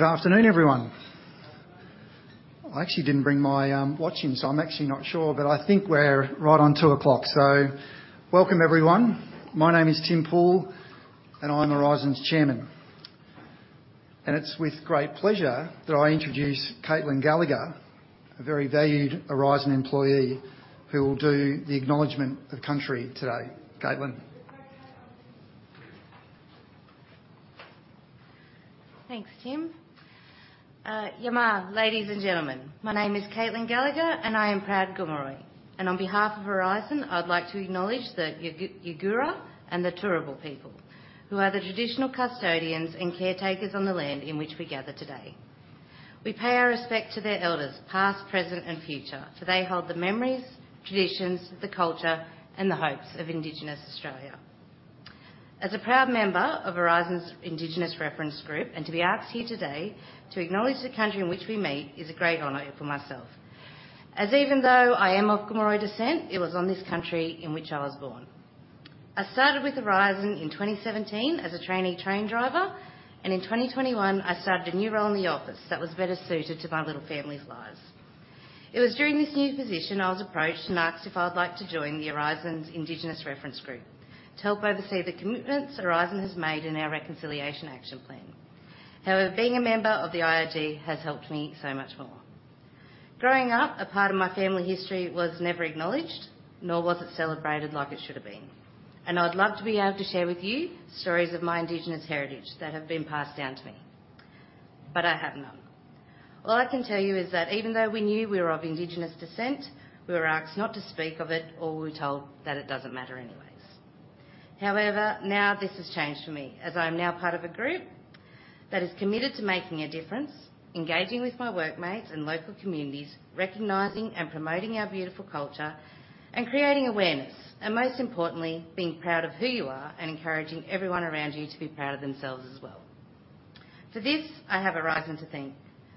Good afternoon, everyone. I actually didn't bring my watch in, so I'm actually not sure, but I think we're right on 2:00 P.M. So welcome, everyone. My name is Tim Poole, and I'm Aurizon's Chairman. It's with great pleasure that I introduce Caitlyn Gallagher, a very valued Aurizon employee, who will do the Acknowledgement of Country today. Caitlyn? Thanks, Tim. Yama, ladies and gentlemen. My name is Caitlyn Gallagher, and I am proud Gomeroi. On behalf of Aurizon, I'd like to acknowledge the Yuggera and the Turrbal people, who are the traditional custodians and caretakers on the land in which we gather today. We pay our respect to their elders, past, present, and future, for they hold the memories, traditions, the culture, and the hopes of Indigenous Australia. As a proud member of Aurizon's Indigenous Reference Group, and to be asked here today to acknowledge the country in which we meet, is a great honor for myself. As even though I am of Gomeroi descent, it was on this country in which I was born. I started with Aurizon in 2017 as a trainee train driver, and in 2021, I started a new role in the office that was better suited to my little family's lives. It was during this new position, I was approached and asked if I'd like to join Aurizon's Indigenous Reference Group to help oversee the commitments Aurizon has made in our Reconciliation Action Plan. However, being a member of the IRG has helped me so much more. Growing up, a part of my family history was never acknowledged, nor was it celebrated like it should have been, and I'd love to be able to share with you stories of my Indigenous heritage that have been passed down to me. But I have none. All I can tell you is that even though we knew we were of Indigenous descent, we were asked not to speak of it, or we were told that it doesn't matter anyways. However, now this has changed for me, as I am now part of a group that is committed to making a difference, engaging with my workmates and local communities, recognizing and promoting our beautiful culture, and creating awareness, and most importantly, being proud of who you are and encouraging everyone around you to be proud of themselves as well. For this, I have Aurizon to thank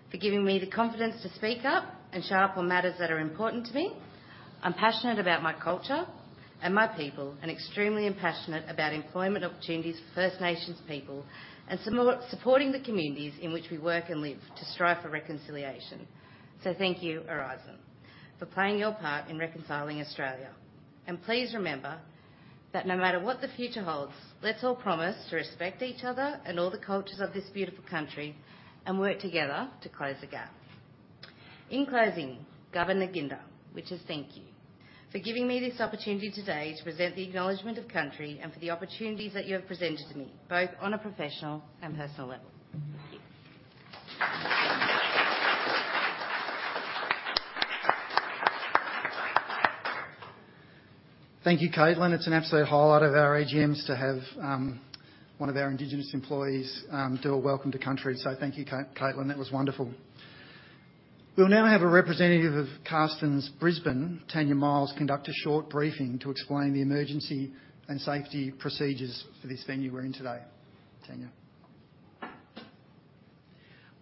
for giving me the confidence to speak up and show up on matters that are important to me. I'm passionate about my culture and my people, and extremely passionate about employment opportunities for First Nations people, and similarly supporting the communities in which we work and live to strive for reconciliation. So thank you, Aurizon, for playing your part in reconciling Australia. Please remember that no matter what the future holds, let's all promise to respect each other and all the cultures of this beautiful country, and work together to close the gap. In closing, Gaba-nginda, which is thank you for giving me this opportunity today to present the Acknowledgement of Country and for the opportunities that you have presented to me, both on a professional and personal level. Thank you. Thank you, Caitlyn. It's an absolute highlight of our AGMs to have one of our Indigenous employees do a Welcome to Country. So thank you, Caitlyn. That was wonderful. We'll now have a representative of Karstens Brisbane, Tanya Miles, conduct a short briefing to explain the emergency and safety procedures for this venue we're in today. Tanya.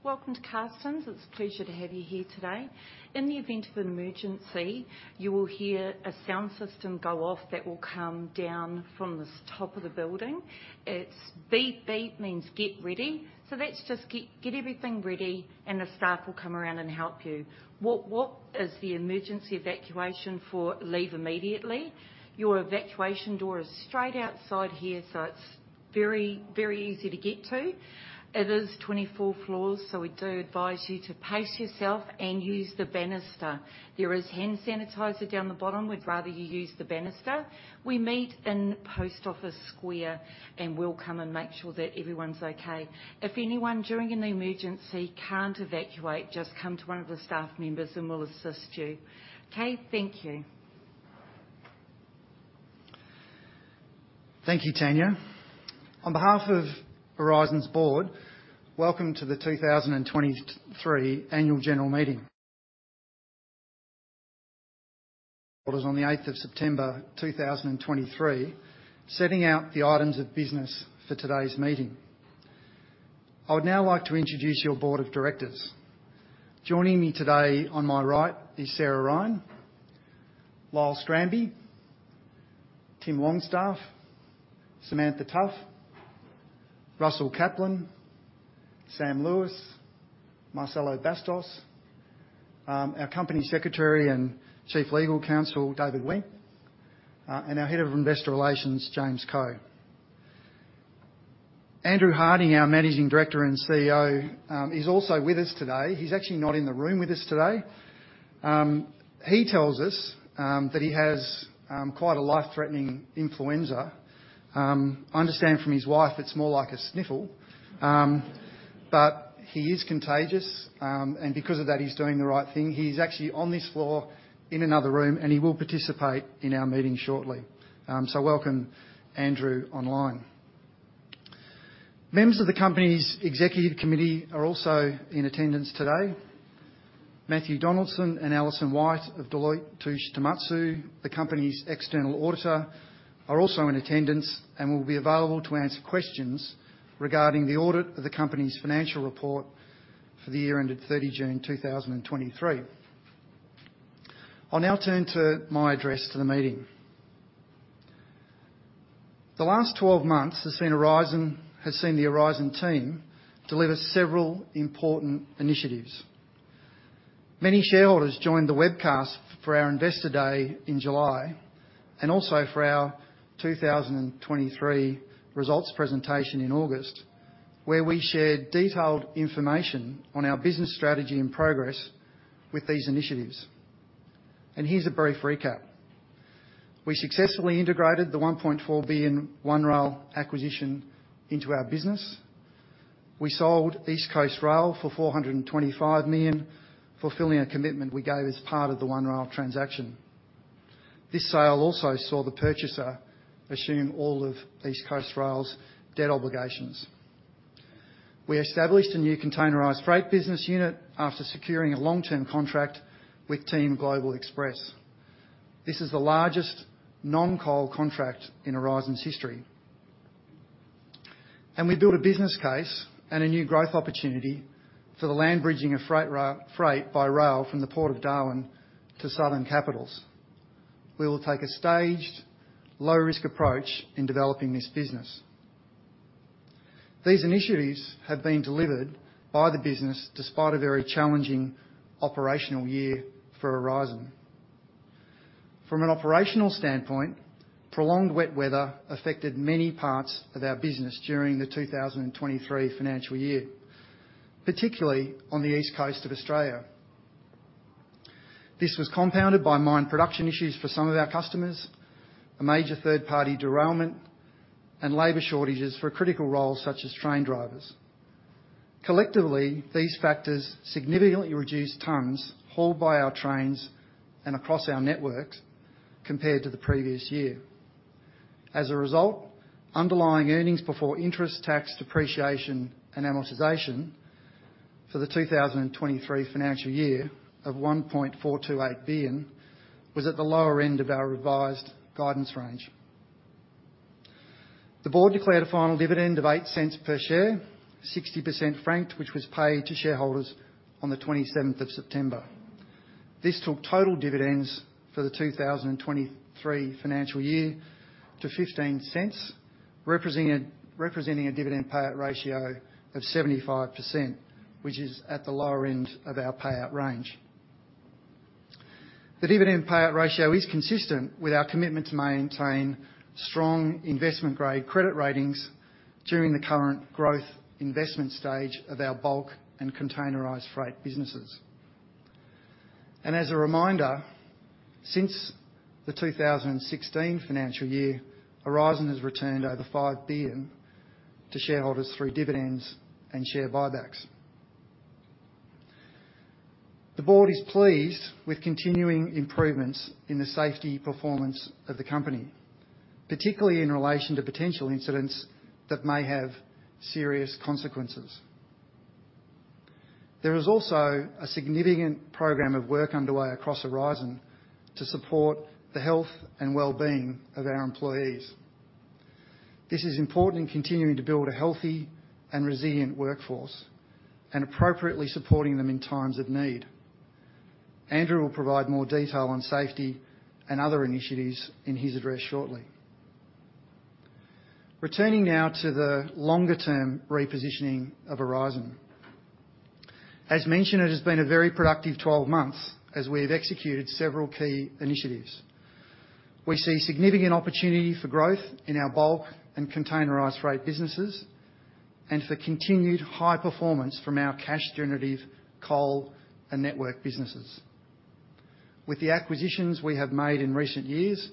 Welcome to Karstens. It's a pleasure to have you here today. In the event of an emergency, you will hear a sound system go off that will come down from the top of the building. It's beep, beep, means get ready. So, let's just get everything ready, and the staff will come around and help you. Whoop, whoop is the emergency evacuation for leave immediately. Your evacuation door is straight outside here, so it's very, very easy to get to. It is 24 floors, so we do advise you to pace yourself and use the banister. There is hand sanitizer down the bottom. We'd rather you use the banister. We meet in Post Office Square, and we'll come and make sure that everyone's okay. If anyone, during an emergency, can't evacuate, just come to one of the staff members, and we'll assist you. Okay, thank you. Thank you, Tanya. On behalf of Aurizon's Board, welcome to the 2023 Annual General Meeting. It was on the eighth of September 2023, setting out the items of business for today's meeting. I would now like to introduce your Board of Directors. Joining me today on my right is Sarah Ryan, Lyell Strambi, Tim Longstaff, Samantha Tough, Russell Caplan, Sam Lewis, Marcelo Bastos, our Company Secretary and Chief Legal Counsel, David Wenck, and our Head of Investor Relations, James Coe. Andrew Harding, our Managing Director and CEO, is also with us today. He's actually not in the room with us today. He tells us that he has quite a life-threatening influenza. I understand from his wife it's more like a sniffle, but he is contagious, and because of that, he's doing the right thing. He's actually on this floor in another room, and he will participate in our meeting shortly. So welcome, Andrew, online. Members of the company's executive committee are also in attendance today. Matthew Donaldson and Allison White of Deloitte Touche Tohmatsu, the company's external auditor, are also in attendance and will be available to answer questions regarding the audit of the company's financial report for the year ended June 30, 2023. I'll now turn to my address to the meeting. The last 12 months has seen the Aurizon team deliver several important initiatives. Many shareholders joined the webcast for our Investor Day in July, and also for our 2023 results presentation in August, where we shared detailed information on our business strategy and progress with these initiatives. Here's a brief recap: We successfully integrated the 1.4 billion One Rail acquisition into our business. We sold East Coast Rail for 425 million, fulfilling a commitment we gave as part of the One Rail transaction. This sale also saw the purchaser assume all of East Coast Rail's debt obligations. We established a new Containerised Freight business unit after securing a long-term contract with Team Global Express. This is the largest non-coal contract in Aurizon's history. We built a business case and a new growth opportunity for the land bridging of freight by rail from the Port of Darwin to Southern capitals. We will take a staged, low-risk approach in developing this business. These initiatives have been delivered by the business despite a very challenging operational year for Aurizon. From an operational standpoint, prolonged wet weather affected many parts of our business during the 2023 financial year, particularly on the East Coast of Australia. This was compounded by mine production issues for some of our customers, a major third-party derailment, and labor shortages for critical roles such as train drivers. Collectively, these factors significantly reduced tons hauled by our trains and across our networks compared to the previous year. As a result, underlying earnings before interest, tax, depreciation, and amortization for the 2023 financial year of 1.428 billion was at the lower end of our revised guidance range. The Board declared a final dividend of 0.08 per share, 60% franked, which was paid to shareholders on the twenty-seventh of September. This took total dividends for the 2023 financial year to 0.15, representing a dividend payout ratio of 75%, which is at the lower end of our payout range. The dividend payout ratio is consistent with our commitment to maintain strong investment-grade credit ratings during the current growth investment stage of Bulk and Containerised Freight businesses. As a reminder, since the 2016 financial year, Aurizon has returned over 5 billion to shareholders through dividends and share buybacks. The Board is pleased with continuing improvements in the safety performance of the Company, particularly in relation to potential incidents that may have serious consequences. There is also a significant program of work underway across Aurizon to support the health and well-being of our employees. This is important in continuing to build a healthy and resilient workforce and appropriately supporting them in times of need. Andrew will provide more detail on safety and other initiatives in his address shortly. Returning now to the longer-term repositioning of Aurizon. As mentioned, it has been a very productive 12 months as we have executed several key initiatives. We see significant opportunity for growth in Bulk and Containerised Freight businesses, and for continued high performance from our cash-generative Coal and Network businesses. With the acquisitions we have made in recent years,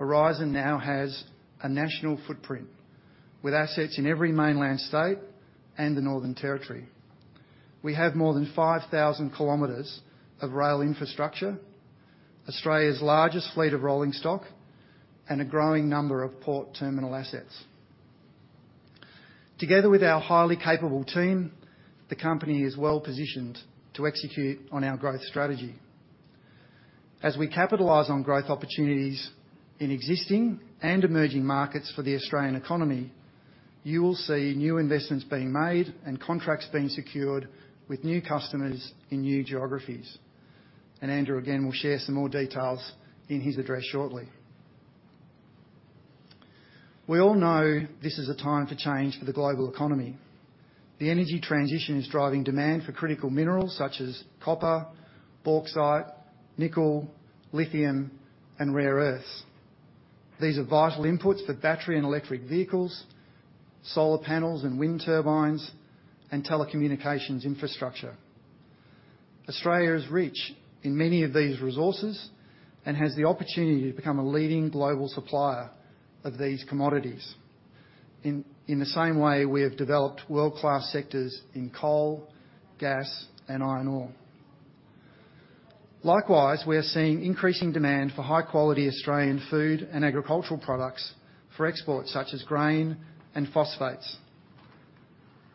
Aurizon now has a national footprint, with assets in every mainland state and the Northern Territory. We have more than 5,000 km of rail infrastructure, Australia's largest fleet of rolling stock, and a growing number of port terminal assets. Together with our highly capable team, the Company is well-positioned to execute on our growth strategy. As we capitalize on growth opportunities in existing and emerging markets for the Australian economy, you will see new investments being made and contracts being secured with new customers in new geographies. And Andrew, again, will share some more details in his address shortly. We all know this is a time for change for the global economy. The energy transition is driving demand for critical minerals such as copper, bauxite, nickel, lithium, and rare earths. These are vital inputs for battery and electric vehicles, solar panels and wind turbines, and telecommunications infrastructure. Australia is rich in many of these resources and has the opportunity to become a leading global supplier of these commodities, in the same way we have developed world-class sectors in coal, gas, and iron ore. Likewise, we are seeing increasing demand for high-quality Australian food and agricultural products for export, such as grain and phosphates.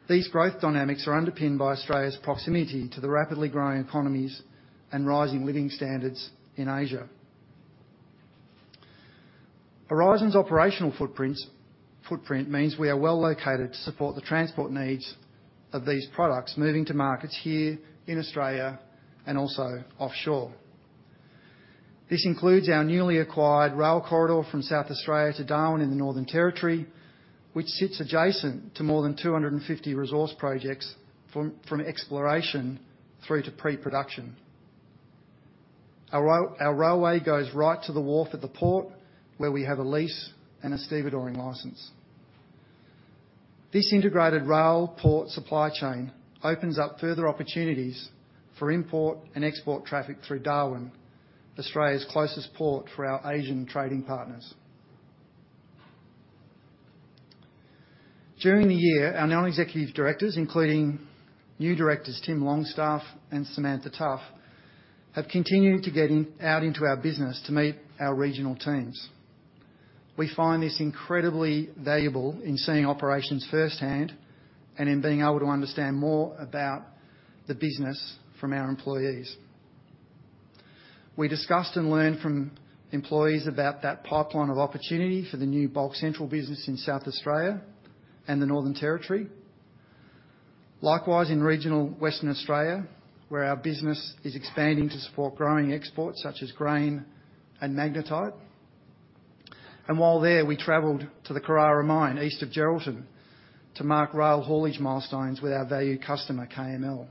These growth dynamics are underpinned by Australia's proximity to the rapidly growing economies and rising living standards in Asia. Aurizon's operational footprints, footprint means we are well located to support the transport needs of these products moving to markets here in Australia and also offshore. This includes our newly acquired rail corridor from South Australia to Darwin in the Northern Territory, which sits adjacent to more than 250 resource projects from exploration through to pre-production. Our railway goes right to the wharf at the port, where we have a lease and a stevedoring license. This integrated rail port supply chain opens up further opportunities for import and export traffic through Darwin, Australia's closest port for our Asian trading partners. During the year, our non-executive directors, including new directors, Tim Longstaff and Samantha Tough, have continued to get out into our business to meet our regional teams. We find this incredibly valuable in seeing operations firsthand and in being able to understand more about the business from our employees. We discussed and learned from employees about that pipeline of opportunity for the new Bulk Central business in South Australia and the Northern Territory. Likewise, in regional Western Australia, where our business is expanding to support growing exports such as grain and magnetite. While there, we traveled to the Karara mine, East of Geraldton, to mark rail haulage milestones with our valued customer, KML.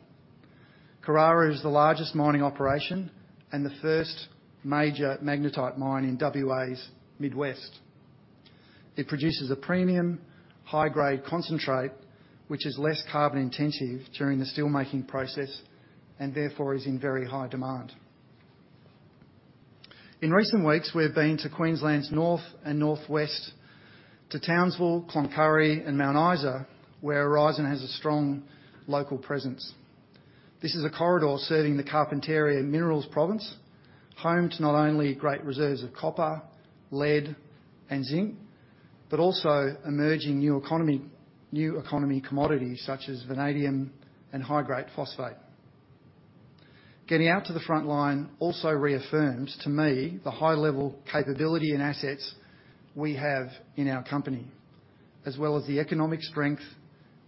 Karara is the largest mining operation and the first major magnetite mine in WA's Mid-West. It produces a premium, high-grade concentrate, which is less carbon intensive during the steelmaking process and therefore is in very high demand. In recent weeks, we've been to Queensland's North and Northwest, to Townsville, Cloncurry and Mount Isa, where Aurizon has a strong local presence. This is a corridor serving the Carpentaria Minerals Province, home to not only great reserves of copper, lead, and zinc, but also emerging new economy, new economy commodities such as vanadium and high-grade phosphate. Getting out to the front line also reaffirms to me the high-level capability and assets we have in our Company, as well as the economic strength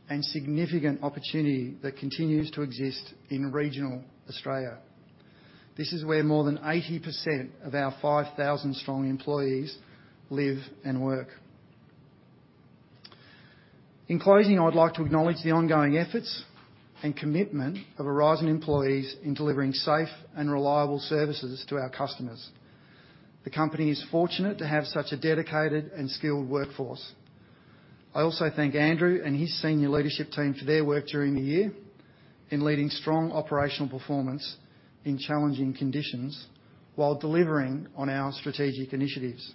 and significant opportunity that continues to exist in regional Australia. This is where more than 80% of our 5,000 strong employees live and work. In closing, I'd like to acknowledge the ongoing efforts and commitment of Aurizon employees in delivering safe and reliable services to our customers. The Company is fortunate to have such a dedicated and skilled workforce. I also thank Andrew and his senior leadership team for their work during the year in leading strong operational performance in challenging conditions while delivering on our strategic initiatives.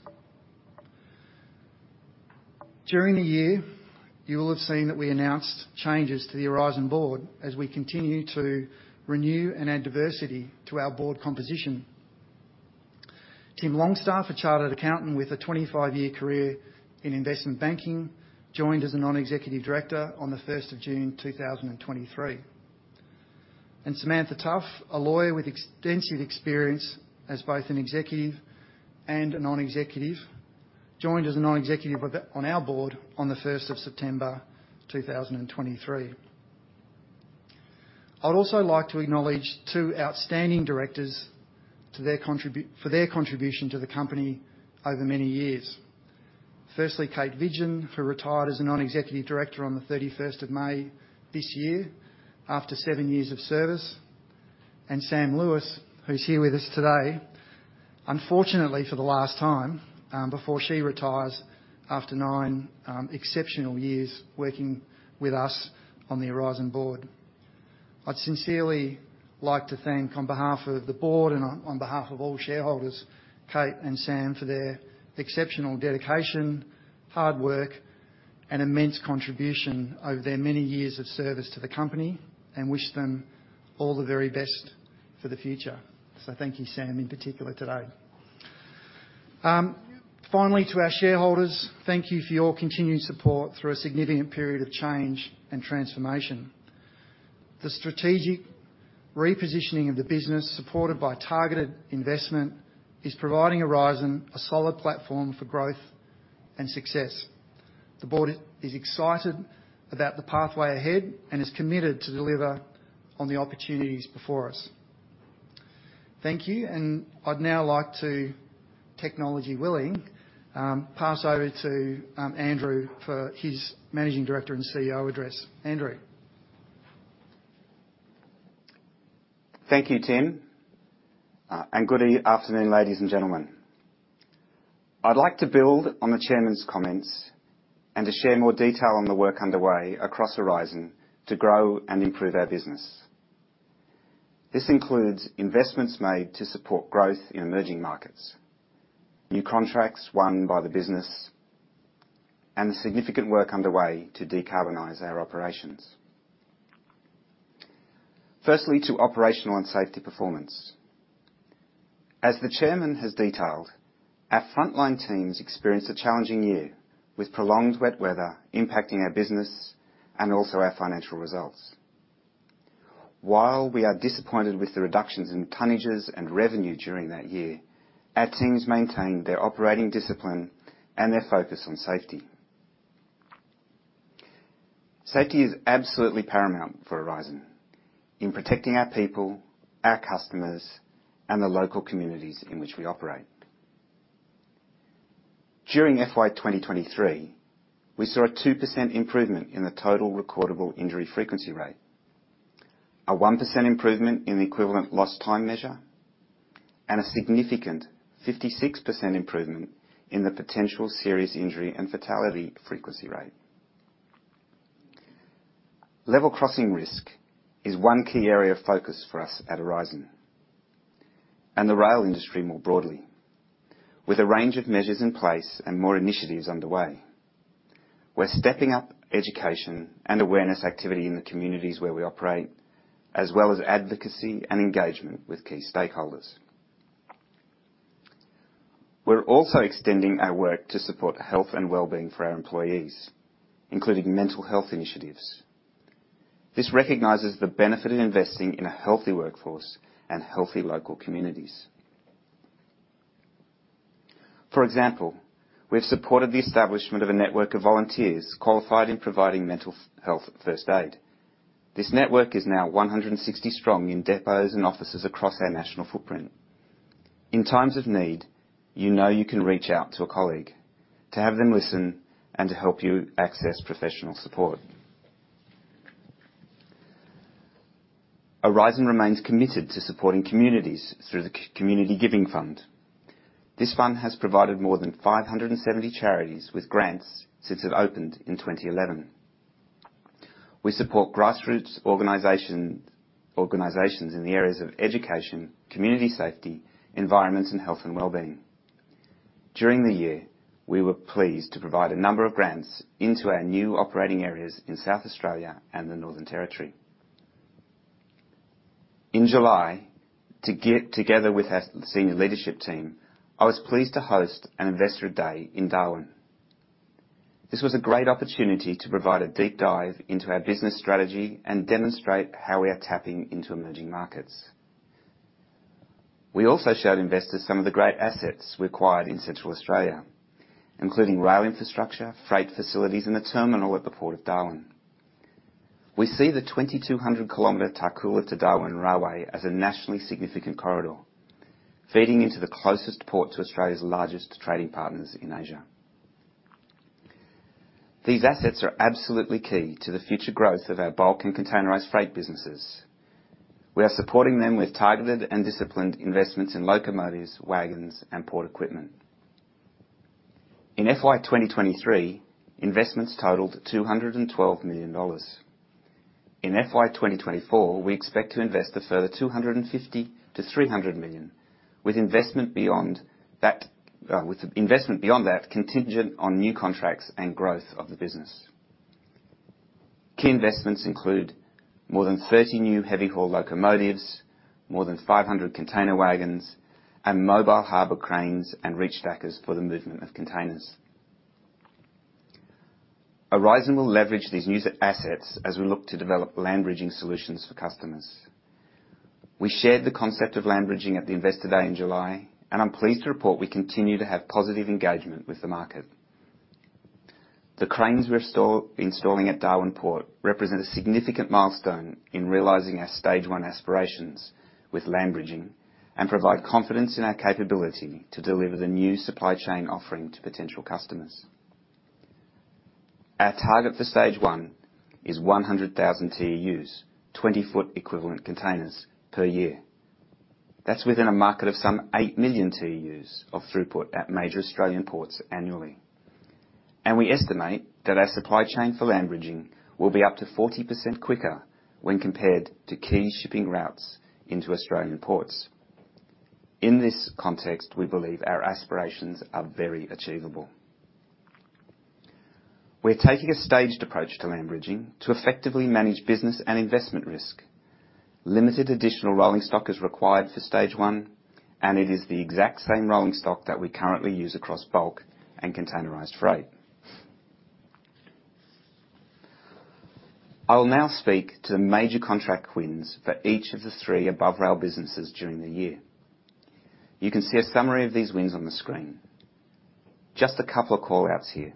During the year, you will have seen that we announced changes to the Aurizon Board as we continue to renew and add diversity to our Board composition. Tim Longstaff, a chartered accountant with a 25-year career in investment banking, joined as a non-executive director on the June 1st, 2023. Samantha Tough, a lawyer with extensive experience as both an executive and a non-executive, joined as a non-executive on our director on the September 1st, 2023. I'd also like to acknowledge two outstanding directors for their contribution to the Company over many years. Firstly, Kate Vidgen, who retired as a non-executive director on the May 31st this year after seven years of service, and Sam Lewis, who's here with us today, unfortunately, for the last time, before she retires after nine exceptional years working with us on the Aurizon Board. I'd sincerely like to thank, on behalf of the Board and on behalf of all shareholders, Kate and Sam, for their exceptional dedication, hard work, and immense contribution over their many years of service to the Company and wish them all the very best for the future. So, thank you, Sam, in particular today. Finally, to our shareholders, thank you for your continued support through a significant period of change and transformation. The strategic repositioning of the business, supported by targeted investment, is providing Aurizon a solid platform for growth and success. The Board is excited about the pathway ahead and is committed to deliver on the opportunities before us. Thank you, and I'd now like to, technology willing, pass over to Andrew, for his managmng director and CEO address. Andrew? Thank you, Tim, and good afternoon, ladies and gentlemen. I'd like to build on the Chairman's comments and to share more detail on the work underway across Aurizon to grow and improve our business. This includes investments made to support growth in emerging markets, new contracts won by the business, and the significant work underway to decarbonize our operations. Firstly, to operational and safety performance. As the Chairman has detailed, our frontline teams experienced a challenging year, with prolonged wet weather impacting our business and also our financial results. While we are disappointed with the reductions in tonnages and revenue during that year, our teams maintained their operating discipline and their focus on safety. Safety is absolutely paramount for Aurizon in protecting our people, our customers, and the local communities in which we operate. During FY 2023, we saw a 2% improvement in the Total Recordable Injury Frequency Rate, a 1% improvement in the equivalent Lost Time measure, and a significant 56% improvement in the Potential Serious Injury and Fatality Frequency Rate. Level crossing risk is one key area of focus for us at Aurizon, and the rail industry more broadly, with a range of measures in place and more initiatives underway. We're stepping up education and awareness activity in the communities where we operate, as well as advocacy and engagement with key stakeholders. We're also extending our work to support health and well-being for our employees, including mental health initiatives. This recognizes the benefit in investing in a healthy workforce and healthy local communities. For example, we have supported the establishment of a network of volunteers qualified in providing mental health first aid. This network is now 160 strong in depots and offices across our national footprint. In times of need, you know you can reach out to a colleague to have them listen and to help you access professional support. Aurizon remains committed to supporting communities through the Community Giving Fund. This fund has provided more than 570 charities with grants since it opened in 2011. We support grassroots organizations in the areas of education, community safety, environments, and health and well-being. During the year, we were pleased to provide a number of grants into our new operating areas in South Australia and the Northern Territory. In July, together with our senior leadership team, I was pleased to host an Investor Day in Darwin. This was a great opportunity to provide a deep dive into our business strategy and demonstrate how we are tapping into emerging markets. We also showed investors some of the great assets we acquired in Central Australia, including rail infrastructure, freight facilities, and the terminal at the Port of Darwin. We see the 2,200 km Tarcoola to Darwin Railway as a nationally significant corridor, feeding into the closest port to Australia's largest trading partners in Asia. These assets are absolutely key to the future growth of Bulk and Containerised Freight businesses. We are supporting them with targeted and disciplined investments in locomotives, wagons, and port equipment. In FY 2023, investments totaled 212 million dollars. In FY 2024, we expect to invest a further 250 million-300 million, with investment beyond that, with investment beyond that contingent on new contracts and growth of the business. Key investments include more than 30 new heavy-haul locomotives, more than 500 container wagons, and mobile harbor cranes and reach stackers for the movement of containers. Aurizon will leverage these new assets as we look to develop land bridging solutions for customers. We shared the concept of land bridging at the Investor Day in July, and I'm pleased to report we continue to have positive engagement with the market. The cranes we're installing at Port of Darwin represent a significant milestone in realizing our stage one aspirations with land bridging and provide confidence in our capability to deliver the new supply chain offering to potential customers. Our target for stage one is 100,000 TEUs, twenty-foot equivalent containers per year. That's within a market of some 8 million TEUs of throughput at major Australian ports annually. We estimate that our supply chain for land bridging will be up to 40% quicker when compared to key shipping routes into Australian ports. In this context, we believe our aspirations are very achievable. We're taking a staged approach to land bridging to effectively manage business and investment risk. Limited additional rolling stock is required for stage one, and it is the exact same rolling stock that we currently use Bulk and Containerised Freight. I will now speak to the major contract wins for each of the three above rail businesses during the year. You can see a summary of these wins on the screen. Just a couple of call-outs here.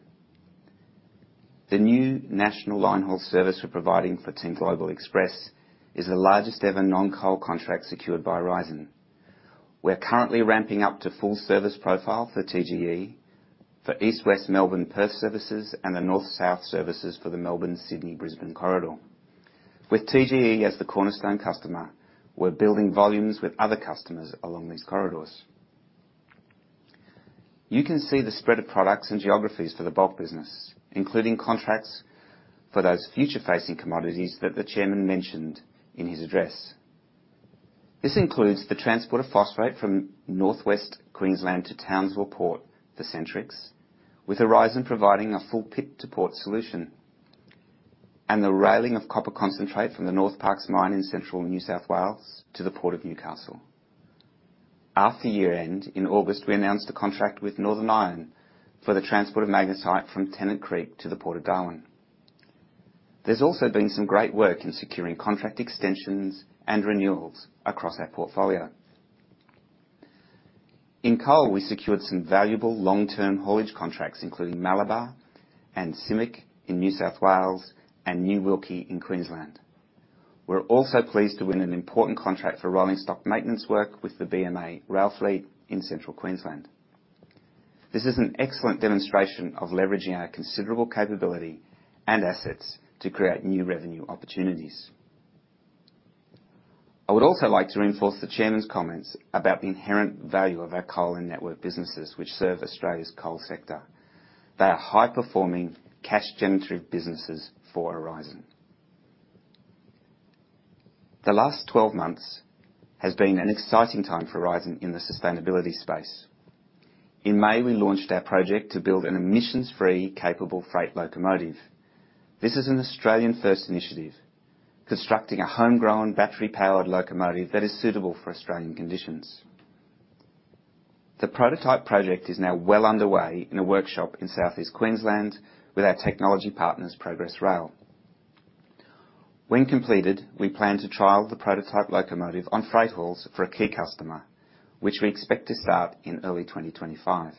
The new national line-haul service we're providing for Team Global Express is the largest-ever non-coal contract secured by Aurizon. We are currently ramping up to full-service profile for TGE, for East-West Melbourne-Perth services, and the North-South services for the Melbourne-Sydney-Brisbane corridor. With TGE as the cornerstone customer, we're building volumes with other customers along these corridors. You can see the spread of products and geographies for the Bulk business, including contracts for those future-facing commodities that the chairman mentioned in his address. This includes the transport of phosphate from Northwest Queensland to Townsville Port for Centrex, with Aurizon providing a full pit-to-port solution, and the railing of copper concentrate from the Northparkes mine in central New South Wales to the Port of Newcastle. After year-end, in August, we announced a contract with Northern Iron for the transport of magnetite from Tennant Creek to the Port of Darwin. There's also been some great work in securing contract extensions and renewals across our portfolio. In Coal, we secured some valuable long-term haulage contracts, including Malabar and SIMEC in New South Wales and New Wilkie in Queensland. We're also pleased to win an important contract for rolling stock maintenance work with the BMA Rail fleet in central Queensland. This is an excellent demonstration of leveraging our considerable capability and assets to create new revenue opportunities. I would also like to reinforce the Chairman's comments about the inherent value of our Coal and Network businesses, which serve Australia's coal sector. They are high-performing, cash-generative businesses for Aurizon. The last 12 months has been an exciting time for Aurizon in the sustainability space. In May, we launched our project to build an emissions-free, capable freight locomotive. This is an Australian-first initiative, constructing a homegrown battery-powered locomotive that is suitable for Australian conditions. The prototype project is now well underway in a workshop in Southeast Queensland with our technology partners, Progress Rail. When completed, we plan to trial the prototype locomotive on freight hauls for a key customer, which we expect to start in early 2025.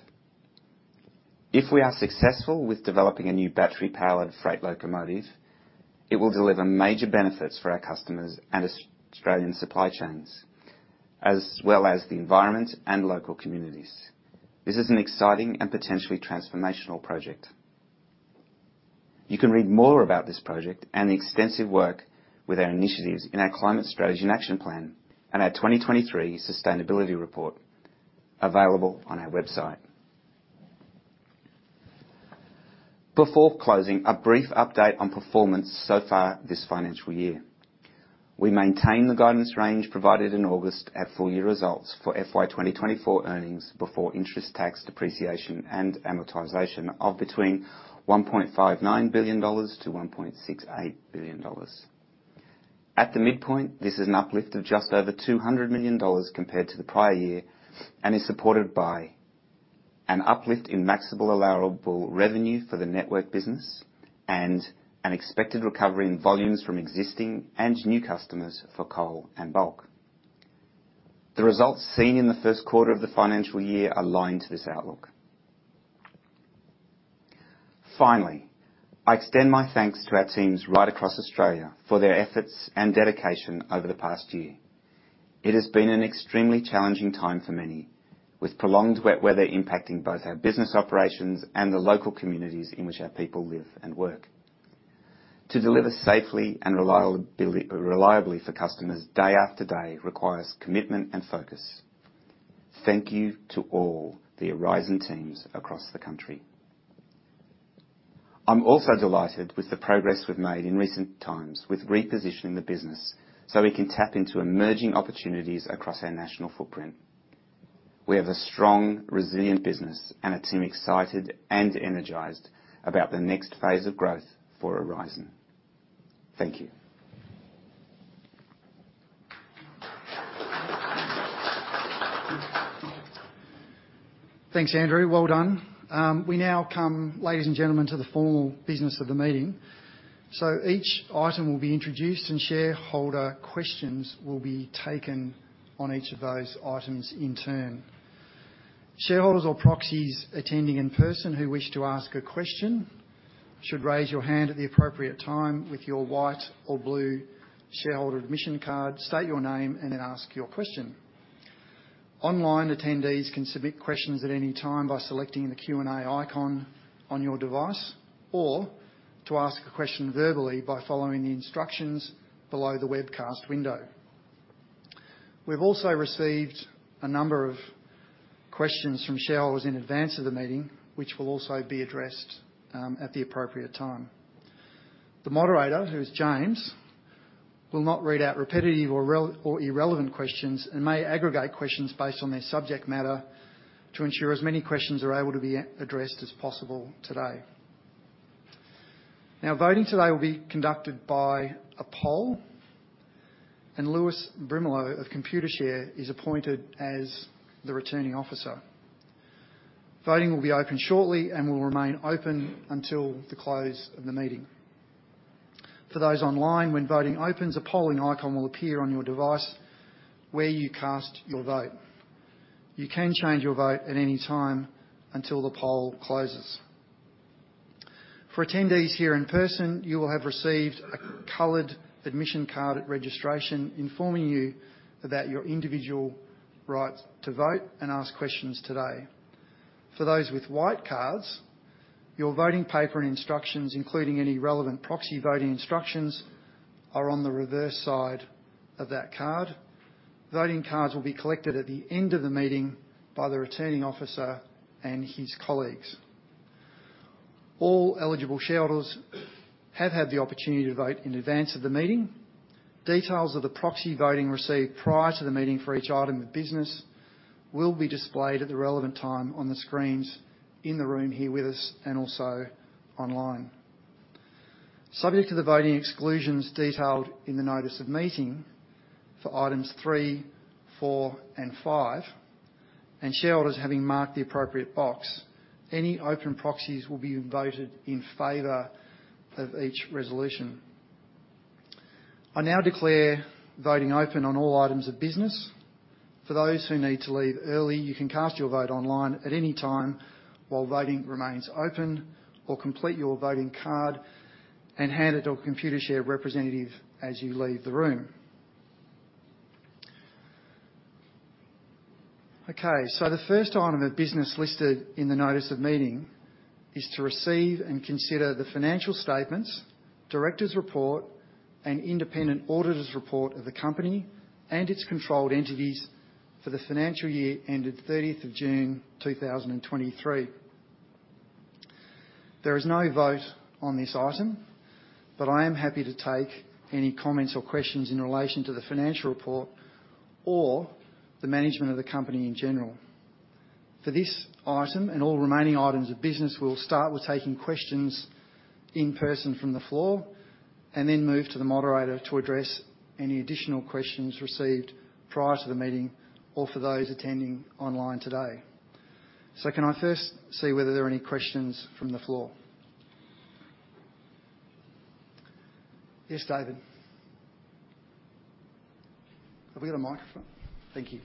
If we are successful with developing a new battery-powered freight locomotive, it will deliver major benefits for our customers and Australian supply chains, as well as the environment and local communities. This is an exciting and potentially transformational project. You can read more about this project and the extensive work with our initiatives in our Climate Strategy and Action Plan and our 2023 Sustainability Report, available on our website. Before closing, a brief update on performance so far this financial year. We maintain the guidance range provided in August at full-year results for FY 2024 earnings before interest, tax, depreciation, and amortization of between 1.59 billion-1.68 billion dollars. At the midpoint, this is an uplift of just over 200 million dollars compared to the prior year and is supported by an uplift in Maximum Allowable Revenue for the Network business and an expected recovery in volumes from existing and new customers for Coal and Bulk. The results seen in the first quarter of the financial year align to this outlook. Finally, I extend my thanks to our teams right across Australia for their efforts and dedication over the past year. It has been an extremely challenging time for many, with prolonged wet weather impacting both our business operations and the local communities in which our people live and work. To deliver safely and reliably for customers day after day requires commitment and focus. Thank you to all the Aurizon teams across the country. I'm also delighted with the progress we've made in recent times with repositioning the business so we can tap into emerging opportunities across our national footprint. We have a strong, resilient business and a team excited and energized about the next phase of growth for Aurizon. Thank you. Thanks, Andrew. Well done. We now come, ladies and gentlemen, to the formal business of the meeting. So each item will be introduced, and shareholder questions will be taken on each of those items in turn. Shareholders or proxies attending in person who wish to ask a question should raise your hand at the appropriate time with your white or blue shareholder admission card, state your name, and then ask your question. Online attendees can submit questions at any time by selecting the Q&A icon on your device, or to ask a question verbally by following the instructions below the webcast window. We've also received a number of questions from shareholders in advance of the meeting, which will also be addressed at the appropriate time. The moderator, who is James, will not read out repetitive or irrelevant questions and may aggregate questions based on their subject matter to ensure as many questions are able to be addressed as possible today. Now, voting today will be conducted by a poll, and Lewis Brimelow of Computershare is appointed as the Returning Officer. Voting will be open shortly and will remain open until the close of the meeting. For those online, when voting opens, a polling icon will appear on your device where you cast your vote. You can change your vote at any time until the poll closes. For attendees here in person, you will have received a colored admission card at registration informing you about your individual right to vote and ask questions today. For those with white cards, your voting paper and instructions, including any relevant proxy voting instructions, are on the reverse side of that card. Voting cards will be collected at the end of the meeting by the Returning Officer and his colleagues. All eligible shareholders have had the opportunity to vote in advance of the meeting. Details of the proxy voting received prior to the meeting for each item of business will be displayed at the relevant time on the screens in the room here with us, and also online. Subject to the voting exclusions detailed in the notice of meeting for Items 3, 4, and 5, and shareholders having marked the appropriate box, any open proxies will be voted in favor of each resolution. I now declare voting open on all items of business. For those who need to leave early, you can cast your vote online at any time while voting remains open or complete your voting card and hand it to a Computershare representative as you leave the room. Okay, so the first item of business listed in the notice of meeting is to receive and consider the Financial Statements, Directors' Report, and independent Auditor's Report of the Company and its controlled entities for the financial year ended June 30th, 2023. There is no vote on this item, but I am happy to take any comments or questions in relation to the Financial Report or the Management of the Company in general. For this item and all remaining items of business, we'll start with taking questions in person from the floor, and then move to the moderator to address any additional questions received prior to the meeting or for those attending online today. So can I first see whether there are any questions from the floor? Yes, David. Have we got a microphone? Thank you.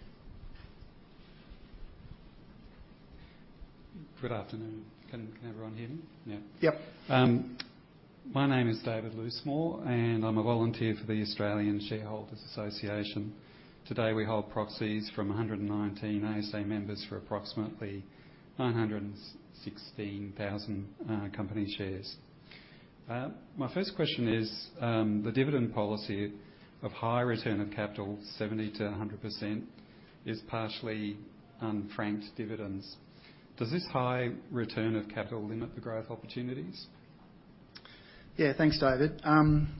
Good afternoon. Can everyone hear me? Yeah. Yep. My name is David Loosemore, and I'm a volunteer for the Australian Shareholders Association. Today, we hold proxies from 119 ASA members for approximately 916,000 company shares. My first question is, the dividend policy of high return on capital, 70%-100%, is partially franked dividends. Does this high return of capital limit the growth opportunities? Yeah, thanks, David.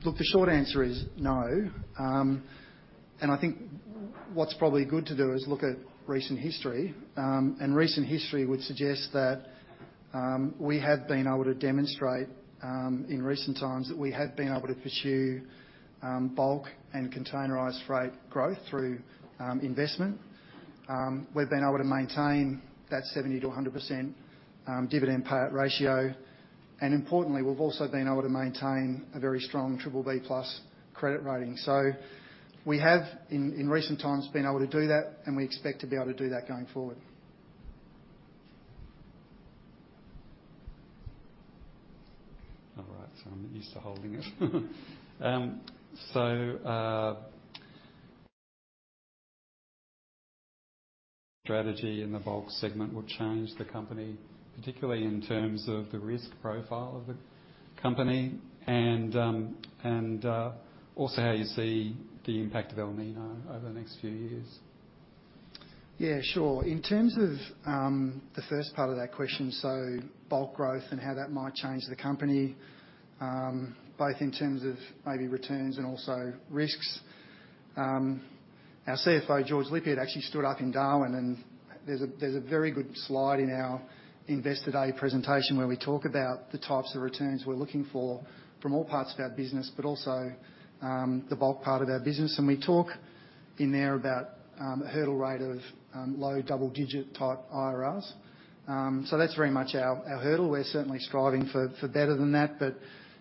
Look, the short answer is no. And I think what's probably good to do is look at recent history. And recent history would suggest that we have been able to demonstrate in recent times that we have been able to Bulk and Containerised Freight growth through investment. We've been able to maintain that 70%-100% dividend payout ratio, and importantly, we've also been able to maintain a very strong BBB+ credit rating. So we have in recent times been able to do that, and we expect to be able to do that going forward. All right. So I'm used to holding it. So, strategy in the Bulk segment will change the company, particularly in terms of the risk profile of the company and, and, also how you see the impact of El Niño over the next few years. Yeah, sure. In terms of the first part of that question, so Bulk growth and how that might change the company, both in terms of maybe returns and also risks. Our CFO, George Lippiatt, actually stood up in Darwin, and there's a very good slide in our Investor Day presentation, where we talk about the types of returns we're looking for from all parts of our business but also the Bulk part of our business. And we talk in there about a hurdle rate of low double-digit type IRRs. So that's very much our hurdle. We're certainly striving for better than that, but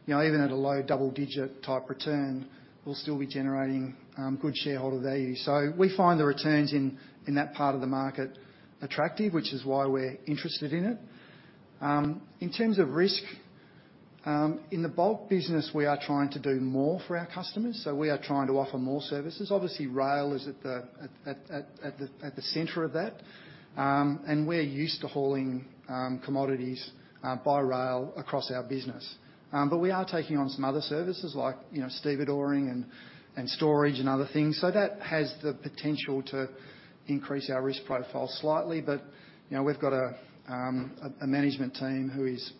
you know, even at a low double-digit type return, we'll still be generating good shareholder value. We find the returns in that part of the market attractive, which is why we're interested in it. In terms of risk, in the Bulk business, we are trying to do more for our customers, so we are trying to offer more services. Obviously, rail is at the center of that. And we're used to hauling commodities by rail across our business. But we are taking on some other services like, you know, stevedoring and storage and other things. So that has the potential to increase our risk profile slightly, but, you know, we've got a management team who is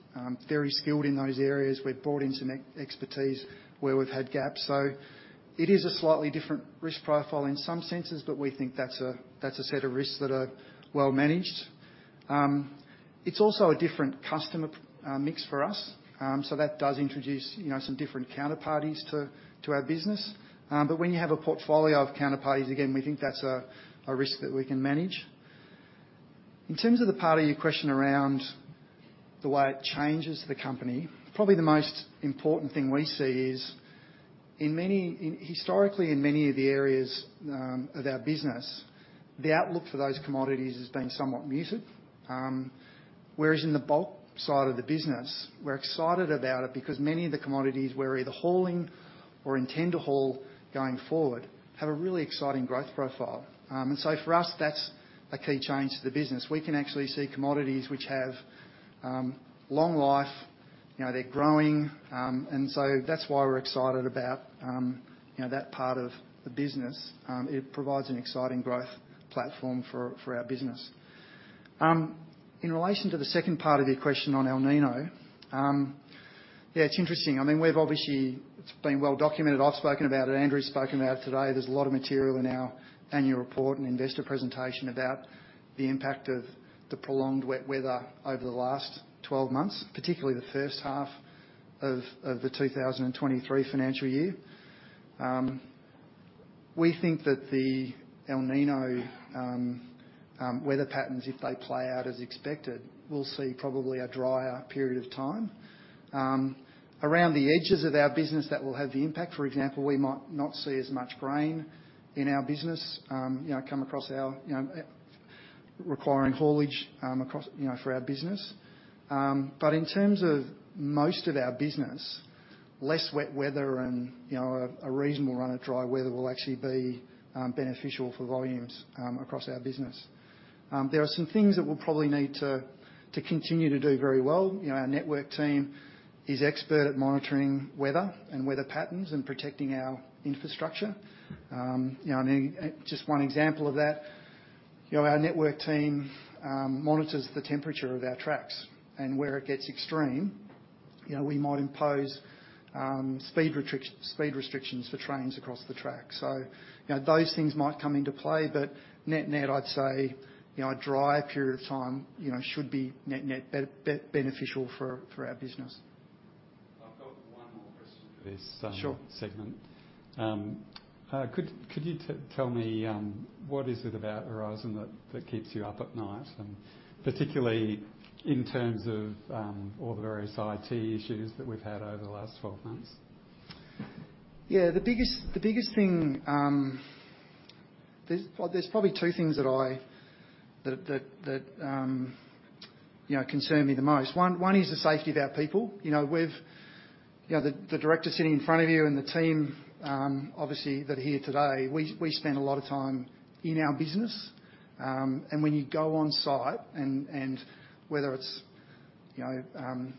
very skilled in those areas. We've brought in some expertise where we've had gaps. It is a slightly different risk profile in some senses, but we think that's a, that's a set of risks that are well managed. It's also a different customer mix for us. So that does introduce, you know, some different counterparties to, to our business. But when you have a portfolio of counterparties, again, we think that's a, a risk that we can manage. In terms of the part of your question around the way it changes the company, probably the most important thing we see is in many. In historically, in many of the areas, of our business, the outlook for those commodities has been somewhat muted. Whereas in the Bulk side of the business, we're excited about it because many of the commodities, we're either hauling or intend to haul going forward, have a really exciting growth profile. For us, that's a key change to the business. We can actually see commodities which have long life. You know, they're growing. And so that's why we're excited about, you know, that part of the business. It provides an exciting growth platform for our business. In relation to the second part of your question on El Niño, yeah, it's interesting. I mean, we've obviously. It's been well documented. I've spoken about it, Andrew's spoken about it today. There's a lot of material in our annual report and investor presentation about the impact of the prolonged wet weather over the last 12 months, particularly the first half of the 2023 financial year. We think that the El Niño weather patterns, if they play out as expected, we'll see probably a drier period of time. Around the edges of our business, that will have the impact. For example, we might not see as much grain in our business, you know, come across our, you know, requiring haulage, across, you know, for our business. But in terms of most of our business, less wet weather and, you know, a reasonable run of dry weather will actually be beneficial for volumes across our business. There are some things that we'll probably need to continue to do very well. You know, our network team is expert at monitoring weather and weather patterns and protecting our infrastructure. You know, and just one example of that, you know, our network team monitors the temperature of our tracks, and where it gets extreme, you know, we might impose speed restrictions for trains across the track. So, you know, those things might come into play, but net-net, I'd say, you know, a dry period of time, you know, should be net-net beneficial for our business. I've got one more question for this segment. Sure. Could you tell me what is it about Aurizon that keeps you up at night, and particularly in terms of all the various IT issues that we've had over the last 12 months? Yeah, the biggest, the biggest thing. There's, well, there's probably two things that I, that, that, that, you know, concern me the most. One, one is the safety of our people. You know, we've, you know, the, the director sitting in front of you and the team, obviously, that are here today, we, we spend a lot of time in our business, and when you go on site, and, and whether it's, you know,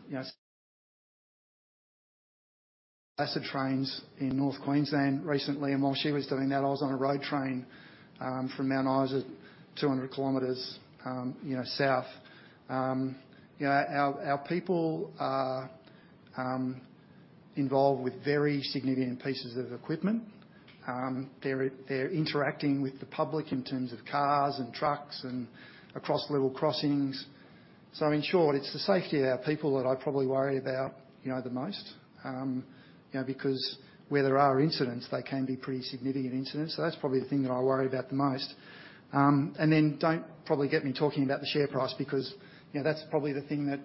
you know, acid trains in North Queensland recently, and while she was doing that, I was on a road train, from Mount Isa, 200 km, you know, South. You know, our, our people are, involved with very significant pieces of equipment. They're, they're interacting with the public in terms of cars and trucks and across level crossings. It's the safety of our people that I probably worry about the most, you know, because where there are incidents, they can be pretty significant incidents. That's probably the thing that I worry about the most. You know, don't probably get me talking about the share price, because, you know, that's probably the thing that,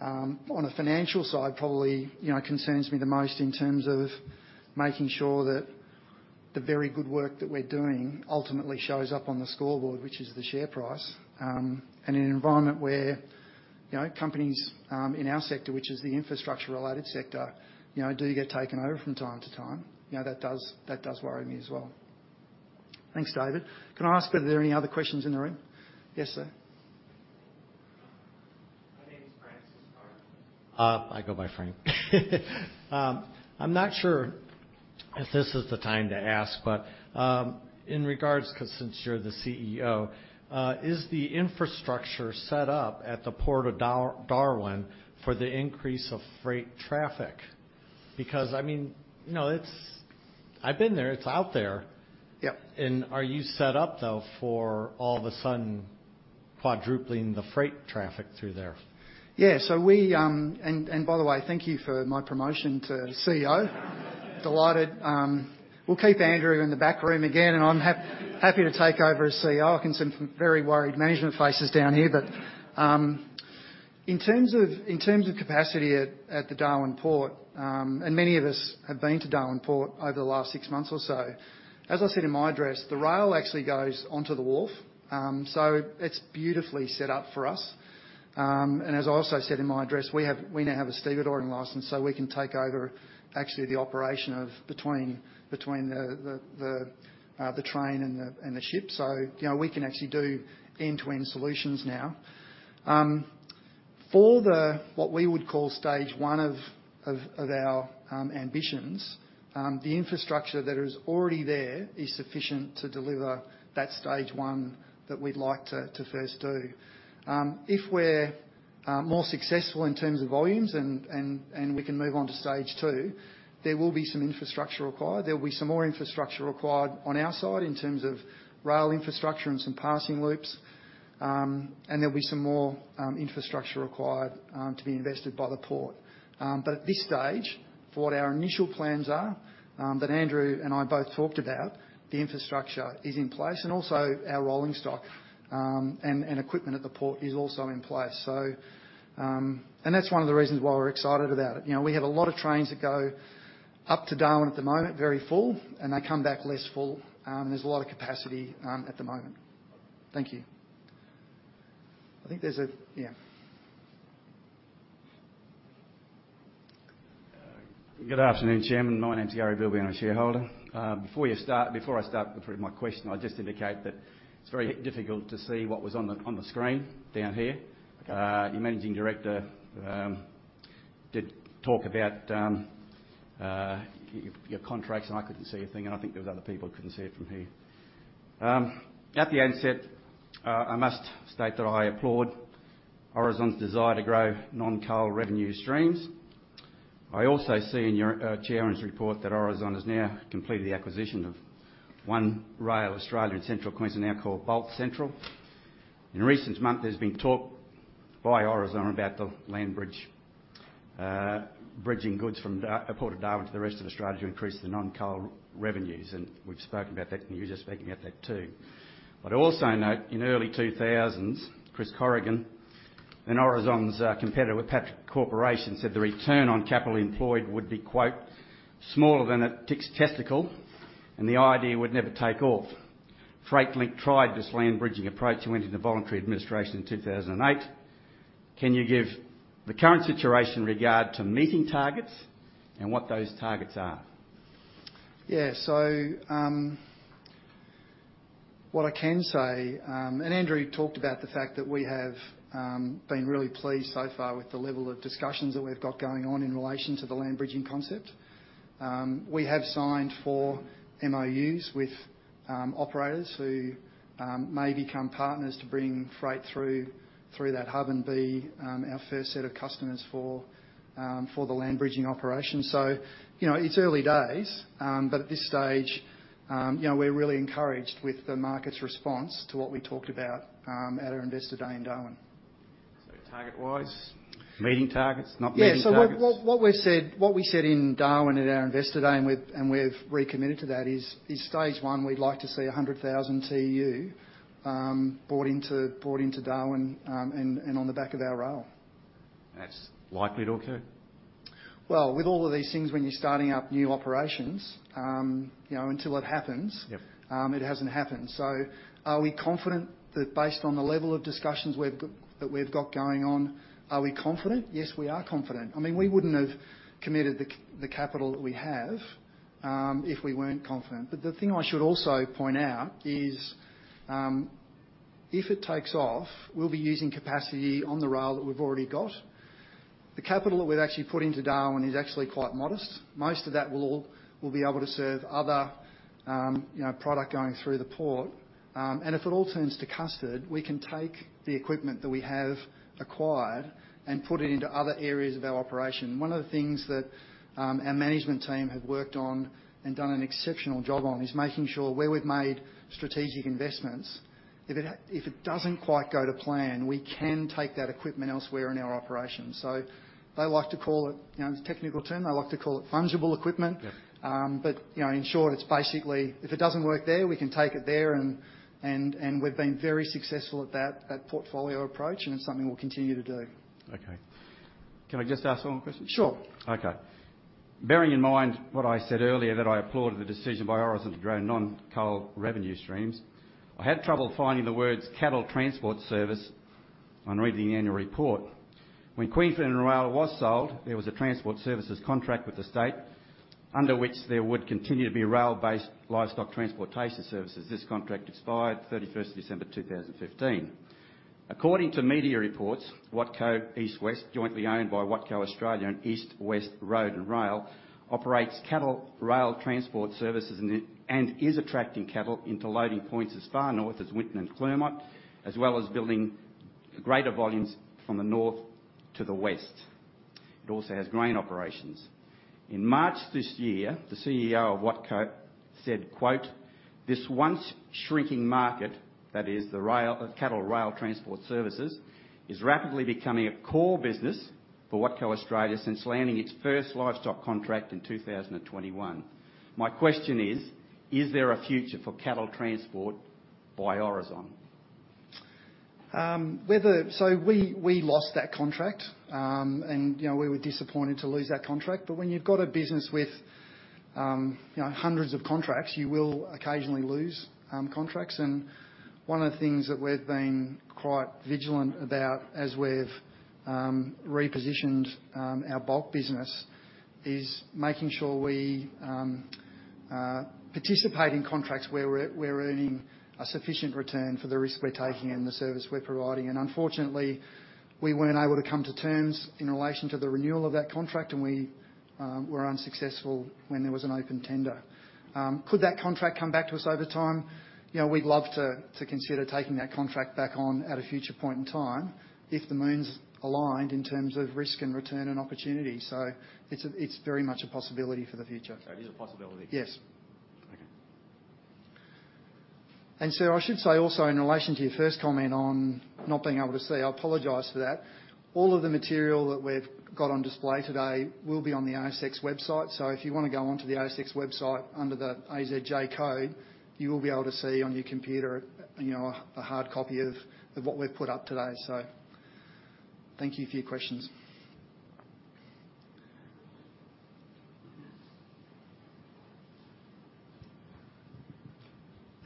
on a financial side, probably, you know, concerns me the most in terms of making sure that the very good work that we're doing ultimately shows up on the scoreboard, which is the share price. You know, in an environment where companies in our sector, which is the infrastructure-related sector, you know, do get taken over from time to time. You know, that does worry me as well. Thanks, David. Can I ask, are there any other questions in the room? Yes, sir. My name is Francis Hart. I go by Frank. I'm not sure if this is the time to ask, but, in regards, 'cause since you're the CEO, is the infrastructure set up at the Port of Darwin for the increase of freight traffic? Because, I mean, you know, it's, I've been there, it's out there. Yep. Are you set up, though, for all of a sudden quadrupling the freight traffic through there? Yeah, so we, and by the way, thank you for my promotion to CEO. Delighted. We'll keep Andrew in the back room again, and I'm happy to take over as CEO. I can see some very worried management faces down here. But in terms of capacity at the Darwin Port, and many of us have been to Darwin Port over the last six months or so, as I said in my address, the rail actually goes onto the wharf. So, it's beautifully set up for us. And as I also said in my address, we now have a stevedoring license, so we can take over actually the operation of between the train and the ship. So, you know, we can actually do end-to-end solutions now. For what we would call stage one of our ambitions, the infrastructure that is already there is sufficient to deliver that stage one that we'd like to first do. If we're more successful in terms of volumes and we can move on to stage two, there will be some infrastructure required. There will be some more infrastructure required on our side in terms of rail infrastructure and some passing loops, and there'll be some more infrastructure required to be invested by the port. At this stage, for what our initial plans are, that Andrew and I both talked about, the infrastructure is in place, and also our rolling stock and equipment at the port is also in place. That's one of the reasons why we're excited about it. You know, we have a lot of trains that go up to Darwin at the moment, very full, and they come back less full. There's a lot of capacity at the moment. Thank you. I think there's. Yeah. Good afternoon, Chairman. My name is Gary Bielby, shareholder. Before you start, before I start with my question, I just indicate that it's very difficult to see what was on the screen down here. Your managing director did talk about your contracts, and I couldn't see a thing, and I think there was other people who couldn't see it from here. At the onset, I must state that I applaud Aurizon's desire to grow non-coal revenue streams. I also see in your chairman's report that Aurizon has now completed the acquisition of One Rail Australia and Central Queensland, now called Bulk Central. In recent months, there's been talk by Aurizon about the land bridge, bridging goods from Port of Darwin to the rest of Australia to increase the non-coal revenues, and we've spoken about that, and you're speaking about that, too. But I also note in early 2000s, Chris Corrigan and Aurizon's competitor, Patrick Corporation, said the return on capital employed would be, quote, "smaller than a tick's testicle," and the idea would never take off. FreightLink tried this land bridging approach and went into voluntary administration in 2008. Can you give the current situation in regard to meeting targets and what those targets are? Yeah. So, what I can say, and Andrew talked about the fact that we have been really pleased so far with the level of discussions that we've got going on in relation to the land bridging concept. We have signed four MOUs with operators who may become partners to bring freight through, through that hub, and be our first set of customers for the land bridging operation. So, you know, it's early days, but at this stage, you know, we're really encouraged with the market's response to what we talked about at our Investor Day in Darwin. Target-wise, meeting targets, not meeting targets? Yeah. So what we've said, what we said in Darwin at our Investor Day, and we've recommitted to that, is stage one, we'd like to see 100,000 TEU brought into Darwin, and on the back of our rail. That's likely to occur? Well, with all of these things, when you're starting up new operations, you know, until it happens- it hasn't happened. So are we confident that based on the level of discussions that we've got going on, are we confident? Yes, we are confident. I mean, we wouldn't have committed the capital that we have if we weren't confident. But the thing I should also point out is, if it takes off, we'll be using capacity on the rail that we've already got. The capital that we've actually put into Darwin is actually quite modest. Most of that will all be able to serve other, you know, product going through the port. And if it all turns to custard, we can take the equipment that we have acquired and put it into other areas of our operation. One of the things that our management team have worked on and done an exceptional job on, is making sure where we've made strategic investments, if it doesn't quite go to plan, we can take that equipment elsewhere in our operations. So they like to call it, you know, it's a technical term, they like to call it fungible equipment. But you know, in short, it's basically if it doesn't work there, we can take it there and we've been very successful at that portfolio approach, and it's something we'll continue to do. Okay. Can I just ask one more question? Sure. Okay. Bearing in mind what I said earlier that I applauded the decision by Aurizon to grow non-coal revenue streams, I had trouble finding the words cattle transport service on reading the annual report. When Queensland Rail was sold, there was a transport services contract with the state, under which there would continue to be rail-based livestock transportation services. This contract expired December 31st, 2015. According to Media Reports, Watco East-West, jointly owned by Watco Australia and East-West Road and Rail, operates cattle rail transport services and is attracting cattle into loading points as far North as Winton and Clermont, as well as building greater volumes from the North to the West. It also has grain operations. In March this year, the CEO of Watco said, quote, "This once shrinking market," that is the rail, cattle rail transport services, "is rapidly becoming a core business for Watco Australia since landing its first livestock contract in 2021." My question is: Is there a future for cattle transport by Aurizon? We, we lost that contract. You know, we were disappointed to lose that contract, but when you've got a business with, you know, hundreds of contracts, you will occasionally lose contracts. One of the things that we've been quite vigilant about as we've repositioned our Bulk business is making sure we participate in contracts where we're, we're earning a sufficient return for the risk we're taking and the service we're providing. Unfortunately, we weren't able to come to terms in relation to the renewal of that contract, and we were unsuccessful when there was an open tender. Could that contract come back to us over time? You know, we'd love to consider taking that contract back on at a future point in time, if the moon's aligned in terms of risk and return and opportunity. So it's very much a possibility for the future. It is a possibility? Yes. Okay. Sir, I should say also, in relation to your first comment on not being able to see, I apologize for that. All of the material that we've got on display today will be on the ASX website. So if you want to go onto the ASX website, under the AZJ code, you will be able to see on your computer, you know, a hard copy of what we've put up today. So thank you for your questions. Thank you,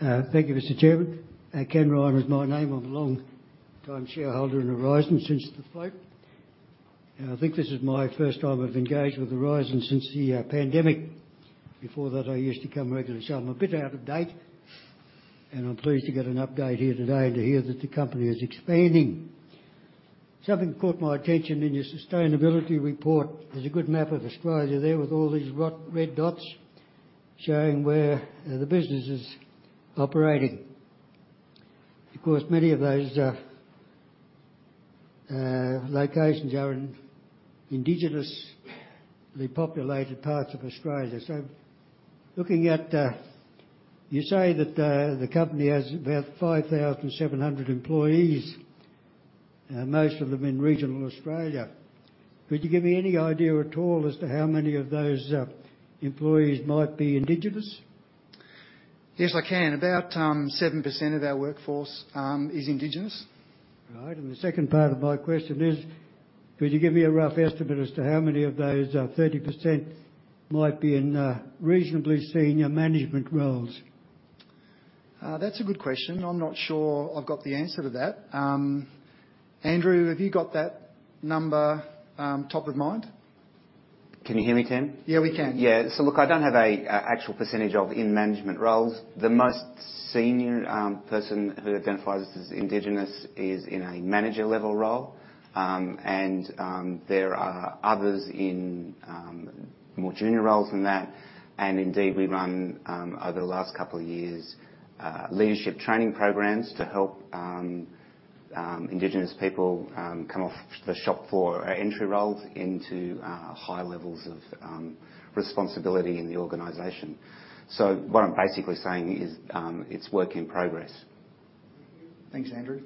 Mr. Chairman. Ken Ryan is my name. I'm a long-time shareholder in Aurizon since the float, and I think this is my first time I've engaged with Aurizon since the pandemic. Before that, I used to come regularly, so I'm a bit out of date. I'm pleased to get an update here today, and to hear that the company is expanding. Something caught my attention in your Sustainability Report. There's a good map of Australia there with all these red dots showing where the business is operating. Of course, many of those locations are in indigenously populated parts of Australia. Looking at, you say that the company has about 5,700 employees, and most of them in regional Australia. Could you give me any idea at all as to how many of those employees might be indigenous? Yes, I can. About 7% of our workforce is indigenous. All right, and the second part of my question is: could you give me a rough estimate as to how many of those 30% might be in reasonably senior management roles? That's a good question. I'm not sure I've got the answer to that. Andrew, have you got that number top of mind? Can you hear me, Ken? Yeah, we can. Yeah. Look, I don't have an actual percentage of in management roles. The most senior person who identifies as Indigenous is in a manager-level role. There are others in more junior roles than that. Indeed, we run, over the last couple of years, leadership training programs to help Indigenous people come off the shop floor or entry roles into higher levels of responsibility in the organization. What I'm basically saying is, it's work in progress. Thanks, Andrew.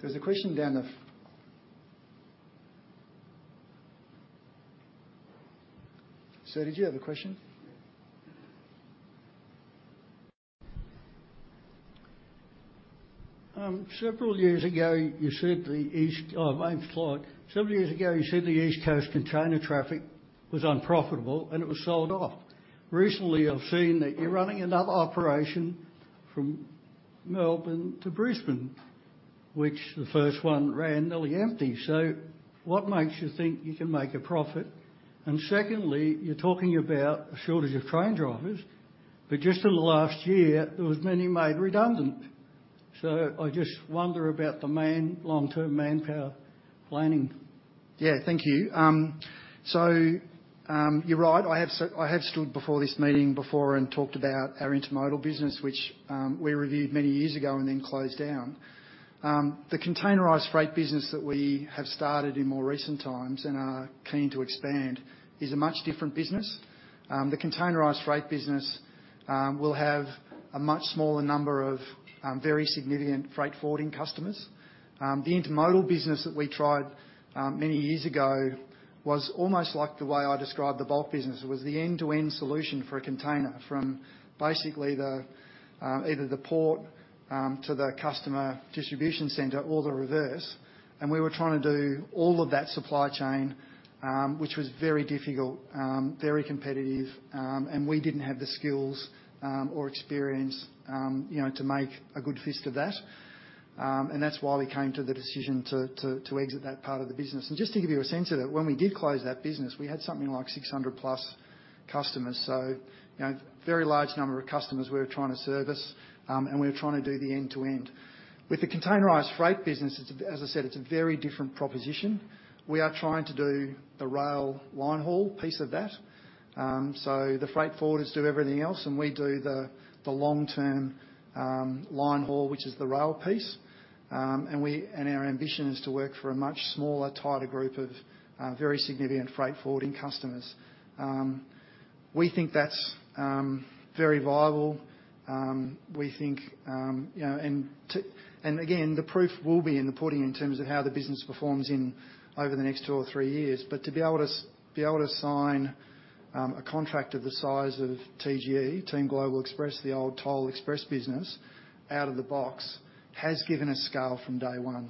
There's a question down the, Sir, did you have a question? Oh, my name's Floyd. Several years ago, you said the East Coast container traffic was unprofitable, and it was sold off. Recently, I've seen that you're running another operation from Melbourne to Brisbane, which the first one ran nearly empty. So what makes you think you can make a profit? And secondly, you're talking about a shortage of train drivers, but just in the last year, there was many made redundant. So I just wonder about the long-term manpower planning. Yeah, thank you. So, you're right. I have stood before this meeting before and talked about our intermodal business, which we reviewed many years ago and then closed down. The Containerised Freight business that we have started in more recent times and are keen to expand is a much different business. The Containerised Freight business will have a much smaller number of very significant freight forwarding customers. The intermodal business that we tried many years ago was almost like the way I described the Bulk business. It was the end-to-end solution for a container, from basically either the port to the customer distribution center or the reverse, and we were trying to do all of that supply chain, which was very difficult, very competitive, and we didn't have the skills or experience, you know, to make a good fist of that. And that's why we came to the decision to exit that part of the business. And just to give you a sense of it, when we did close that business, we had something like 600+ customers. So, you know, very large number of customers we were trying to service, and we were trying to do the end-to-end. With the Containerised Freight business, it's, as I said, it's a very different proposition. We are trying to do the rail line-haul piece of that. So, the freight forwarders do everything else, and we do the long-term line haul, which is the rail piece. And our ambition is to work for a much smaller, tighter group of very significant freight forwarding customers. We think that's very viable. We think, you know. And again, the proof will be in the pudding in terms of how the business performs in over the next two or three years. But to be able to sign a contract of the size of TGE, Team Global Express, the old Toll Express business, out of the box, has given us scale from day one.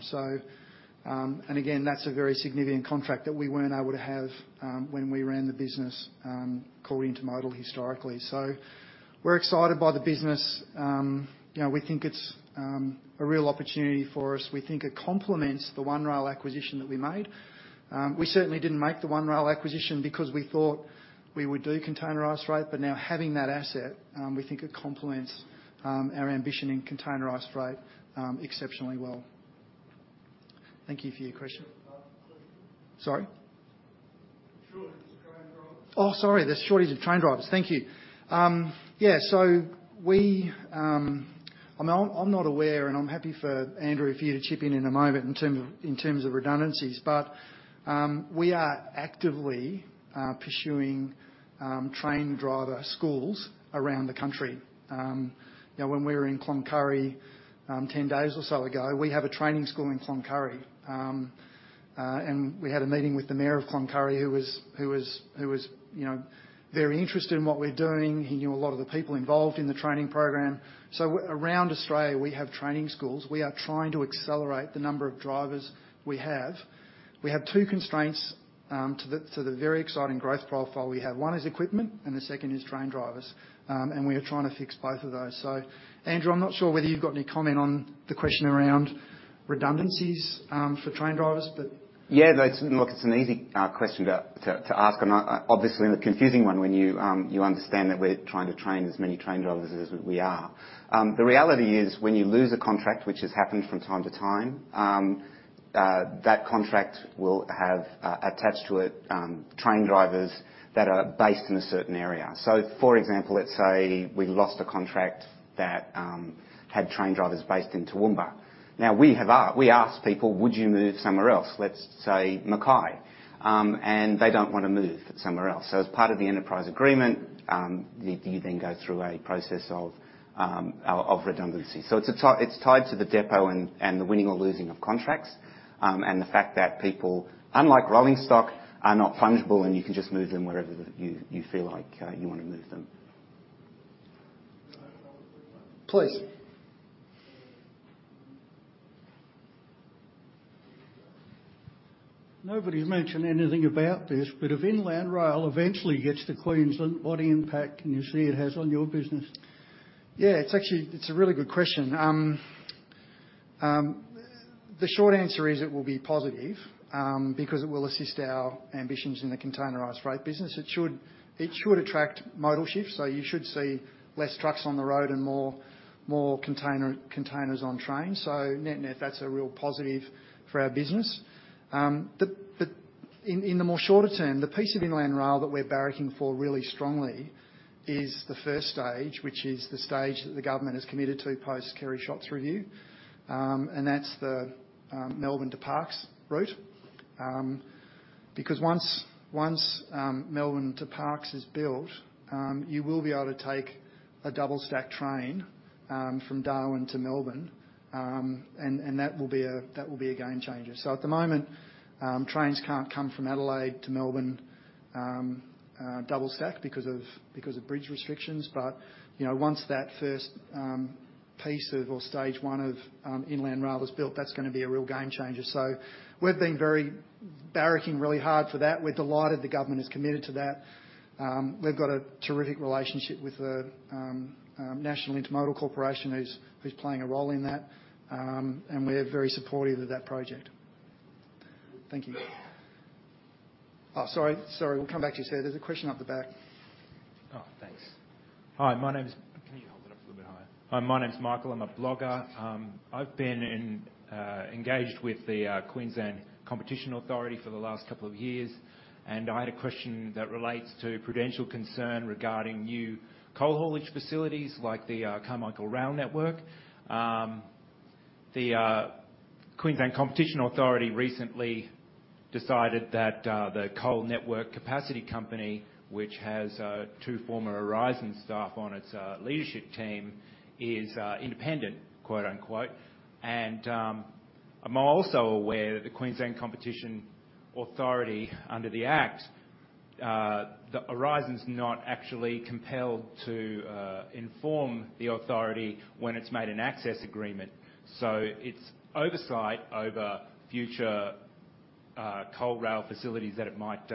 Again, that's a very significant contract that we weren't able to have when we ran the business called Intermodal historically. So, we're excited by the business. You know, we think it's a real opportunity for us. We think it complements the One Rail acquisition that we made. We certainly didn't make the One Rail acquisition because we thought we would do Containerised Freight, but now having that asset, we think it complements our ambition in Containerised Freight exceptionally well. Thank you for your question. Uh, sorry. Sorry? Shortage of train drivers. Sorry, the shortage of train drivers. Thank you. Yeah, so we, we... I'm not, I'm not aware, and I'm happy for Andrew, for you to chip in in a moment in terms of redundancies, but we are actively pursuing train driver schools around the country. You know, when we were in Cloncurry, 10 days or so ago, we have a training school in Cloncurry, and we had a meeting with the mayor of Cloncurry, who was, who was, who was, you know, very interested in what we're doing. He knew a lot of the people involved in the training program. Around Australia, we have training schools. We are trying to accelerate the number of drivers we have. We have two constraints to the very exciting growth profile we have. One is equipment, and the second is train drivers. We are trying to fix both of those. So Andrew, I'm not sure whether you've got any comment on the question around redundancies for train drivers. Yeah, but look, it's an easy question to ask, and obviously a confusing one when you understand that we're trying to train as many train drivers as we are. The reality is, when you lose a contract, which has happened from time to time, that contract will have attached to it train drivers that are based in a certain area. So for example, let's say we lost a contract that had train drivers based in Toowoomba. Now, we asked people: "Would you move somewhere else, let's say Mackay?" And they don't want to move somewhere else. So as part of the enterprise agreement, you then go through a process of redundancy. So it's tied to the depot and the winning or losing of contracts. And the fact that people, unlike rolling stock, are not fungible, and you can just move them wherever you feel like you want to move them. Please. Nobody's mentioned anything about this, but if Inland Rail eventually gets to Queensland, what impact can you see it has on your business? Yeah, it's actually a really good question. The short answer is, it will be positive, because it will assist our ambitions in the Containerised Freight business. It should attract modal shifts, so you should see less trucks on the road and more containers on trains. So net, that's a real positive for our business. But in the shorter term, the piece of Inland Rail that we're barracking for really strongly is the first stage, which is the stage that the government has committed to post-Kerry Schott's review. And that's the Melbourne to Parkes route. Because once Melbourne to Parkes is built, you will be able to take a double stack train from Darwin to Melbourne. And that will be a game changer. At the moment, trains can't come from Adelaide to Melbourne, double stacked because of, because of bridge restrictions. But, you know, once that first, piece of, or stage one of, Inland Rail is built, that's going to be a real game changer. So we've been very barracking really hard for that. We're delighted the government is committed to that. We've got a terrific relationship with the, National Intermodal Corporation, who's, playing a role in that. And we're very supportive of that project. Thank you. Sorry, sorry, we'll come back to you, sir. There's a question up the back. Oh, thanks. Hi, my name is... Can you hold it up a little bit higher? Hi, my name is Michael. I'm a blogger. I've been engaged with the Queensland Competition Authority for the last couple of years, and I had a question that relates to prudential concern regarding new coal haulage facilities like the Carmichael Rail Network. The Queensland Competition Authority recently decided that the Coal Network Capacity Company, which has two former Aurizon staff on its leadership team, is "independent," quote, unquote. And I'm also aware that the Queensland Competition Authority, under the act, that Aurizon's not actually compelled to inform the authority when it's made an access agreement. So, its oversight over future coal rail facilities that it might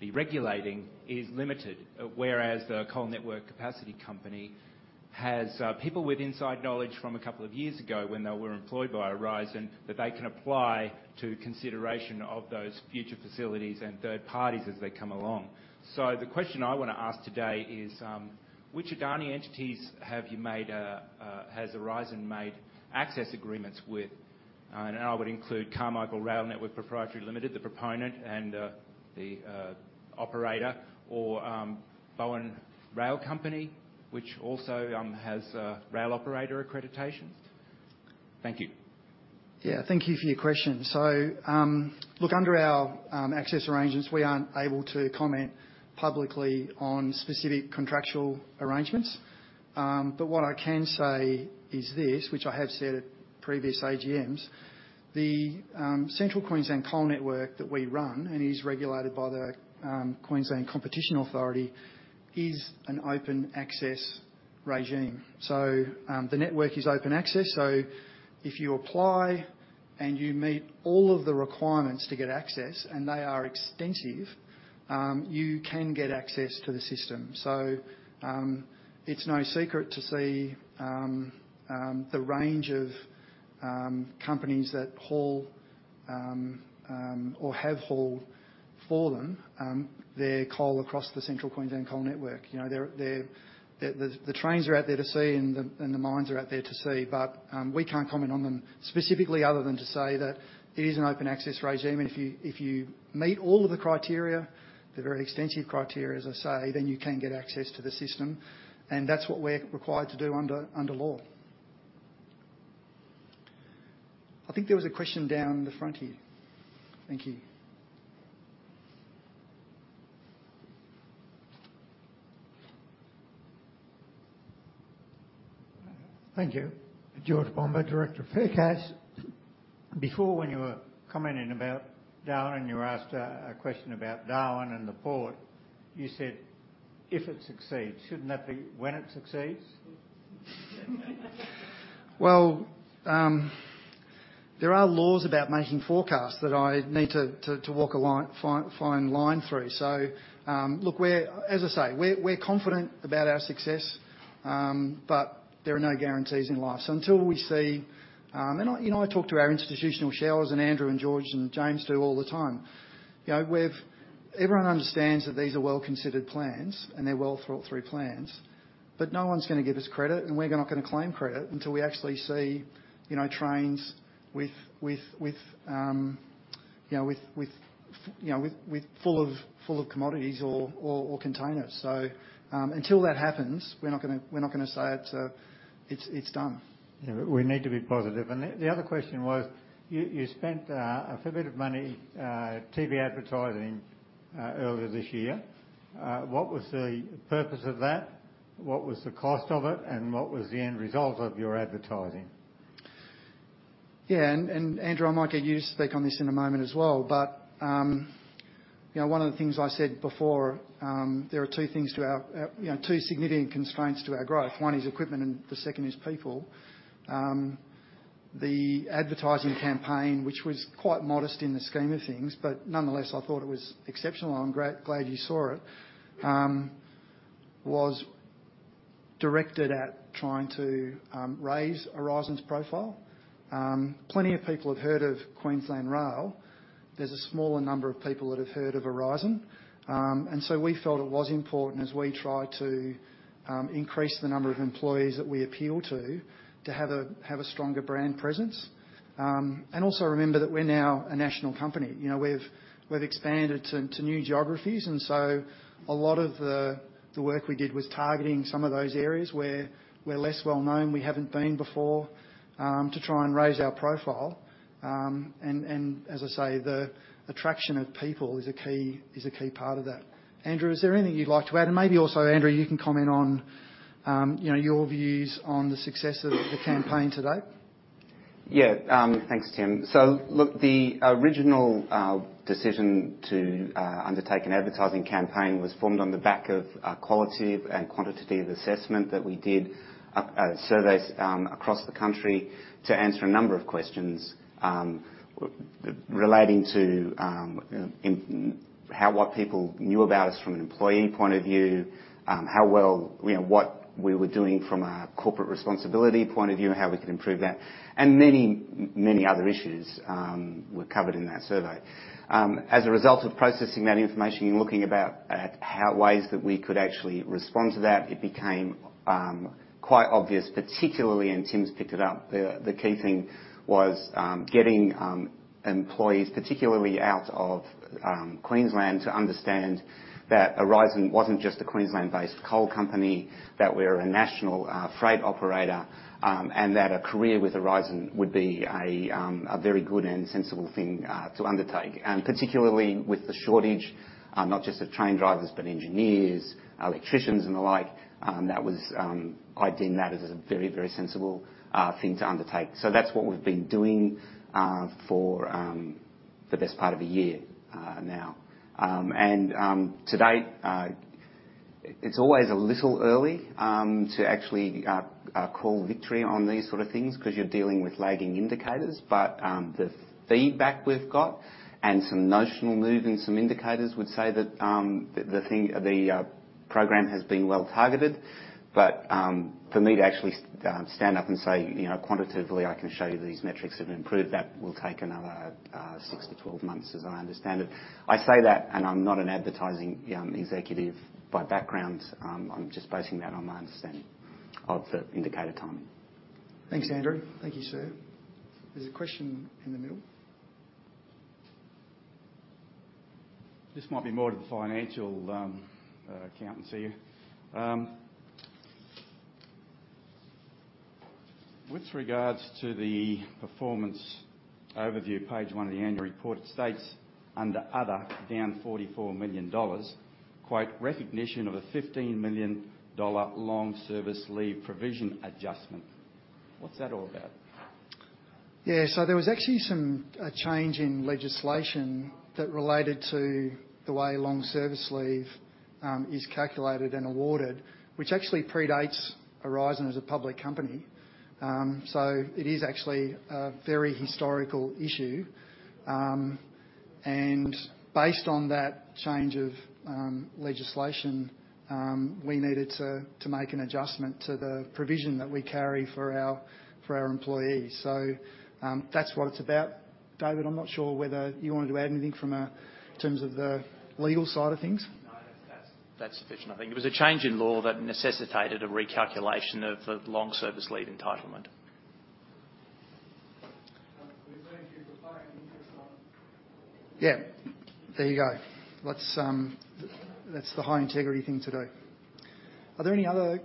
be regulating is limited. Whereas, the Coal Network Capacity Company has people with inside knowledge from a couple of years ago when they were employed by Aurizon, that they can apply to the consideration of those future facilities and third parties as they come along. So the question I want to ask today is, which Adani entities have you made a, has Aurizon made access agreements with? And I would include Carmichael Rail Network Proprietary Limited, the proponent and the operator, or Bowen Rail Company, which also has rail operator accreditation. Thank you. Yeah, thank you for your question. So, look, under our access arrangements, we aren't able to comment publicly on specific contractual arrangements. But what I can say is this, which I have said at previous AGMs: the Central Queensland Coal Network that we run, and is regulated by the Queensland Competition Authority, is an open access regime. So, the network is open access, so if you apply and you meet all of the requirements to get access, and they are extensive, you can get access to the system. So, it's no secret to see the range of companies that haul or have hauled for them their coal across the Central Queensland Coal Network. You know, they're, they're-- the, the, the trains are out there to see, and the, and the mines are out there to see, but we can't comment on them specifically other than to say that it is an open access regime. If you, if you meet all of the criteria, the very extensive criteria, as I say, then you can get access to the system, and that's what we're required to do under, under law. I think there was a question down the front here. Thank you. Thank you. George Bomber, director of Fair Cas. Before, when you were commenting about Darwin, you were asked a question about Darwin and the port, you said- if it succeeds, shouldn't that be when it succeeds? Well, there are laws about making forecasts that I need to walk a fine line through. Look, we're, as I say, we're confident about our success, but there are no guarantees in life. Until we see, you know, I talk to our institutional shareholders, and Andrew, and George, and James do all the time. You know, everyone understands that these are well-considered plans, and they're well-thought-through plans, but no one's gonna give us credit, and we're not gonna claim credit until we actually see, you know, trains with, you know, full of commodities or, or containers. Until that happens, we're not gonna say it's, it's done. Yeah, but we need to be positive. The other question was, you spent a fair bit of money TV advertising earlier this year. What was the purpose of that? What was the cost of it, and what was the end result of your advertising? Yeah, and, and Andrew, I might get you to speak on this in a moment as well, but, you know, one of the things I said before, there are two things to our, you know, two significant constraints to our growth. One is equipment, and the second is people. The advertising campaign, which was quite modest in the scheme of things, but nonetheless, I thought it was exceptional, and I'm glad you saw it, was directed at trying to raise Aurizon's profile. Plenty of people have heard of Queensland Rail. There's a smaller number of people that have heard of Aurizon. And so we felt it was important, as we try to increase the number of employees that we appeal to, to have a stronger brand presence. And also remember that we're now a national company. You know, we've expanded to new geographies, and so a lot of the work we did was targeting some of those areas where we're less well-known, we haven't been before, to try and raise our profile. And as I say, the attraction of people is a key part of that. Andrew, is there anything you'd like to add? And maybe also, Andrew, you can comment on, you know, your views on the success of the campaign to date. Yeah. Thanks, Tim. So look, the original decision to undertake an advertising campaign was formed on the back of a qualitative and quantitative assessment that we did, surveys across the country to answer a number of questions relating to, in, how what people knew about us from an employee point of view, how well, you know, what we were doing from a corporate responsibility point of view, and how we could improve that, and many other issues were covered in that survey. As a result of processing that information and looking about at how, ways that we could actually respond to that, it became quite obvious, particularly, and Tim's picked it up, the key thing was getting employees, particularly out of Queensland, to understand that Aurizon wasn't just a Queensland-based coal company, that we're a national, freight operator, and that a career with Aurizon would be a very good and sensible thing to undertake. Particularly with the shortage, not just of train drivers, but engineers, electricians, and the like, that was... I deem that as a very, very sensible thing to undertake. That's what we've been doing for the best part of a year now. To date, it's always a little early to actually call victory on these sorts of things, 'cause you're dealing with lagging indicators. The feedback we've got and some notional move in some indicators would say that, the program has been well targeted. But, for me to actually, stand up and say, you know, "Quantitatively, I can show you these metrics have improved," that will take another, 6-12 months, as I understand it. I say that, and I'm not an advertising, executive by background. I'm just basing that on my understanding of the indicator timing. Thanks, Andrew. Thank you, sir. There's a question in the middle. This might be more to the financial accountants here. With regards to the performance overview, page one of the annual report, it states under "Other," down 44 million dollars, quote, "Recognition of a 15 million dollar long service leave provision adjustment." What's that all about? Yeah, so there was actually a change in legislation that related to the way long service leave is calculated and awarded, which actually predates Aurizon as a public company. So it is actually a very historical issue. And based on that change of legislation, we needed to make an adjustment to the provision that we carry for our employees. So that's what it's about. David, I'm not sure whether you wanted to add anything from a, in terms of the legal side of things? No, that's, that's sufficient. I think it was a change in law that necessitated a recalculation of the long service leave entitlement. Thank you for clarifying this one. Yeah, there you go. That's, that's the high-integrity thing to do. Are there any other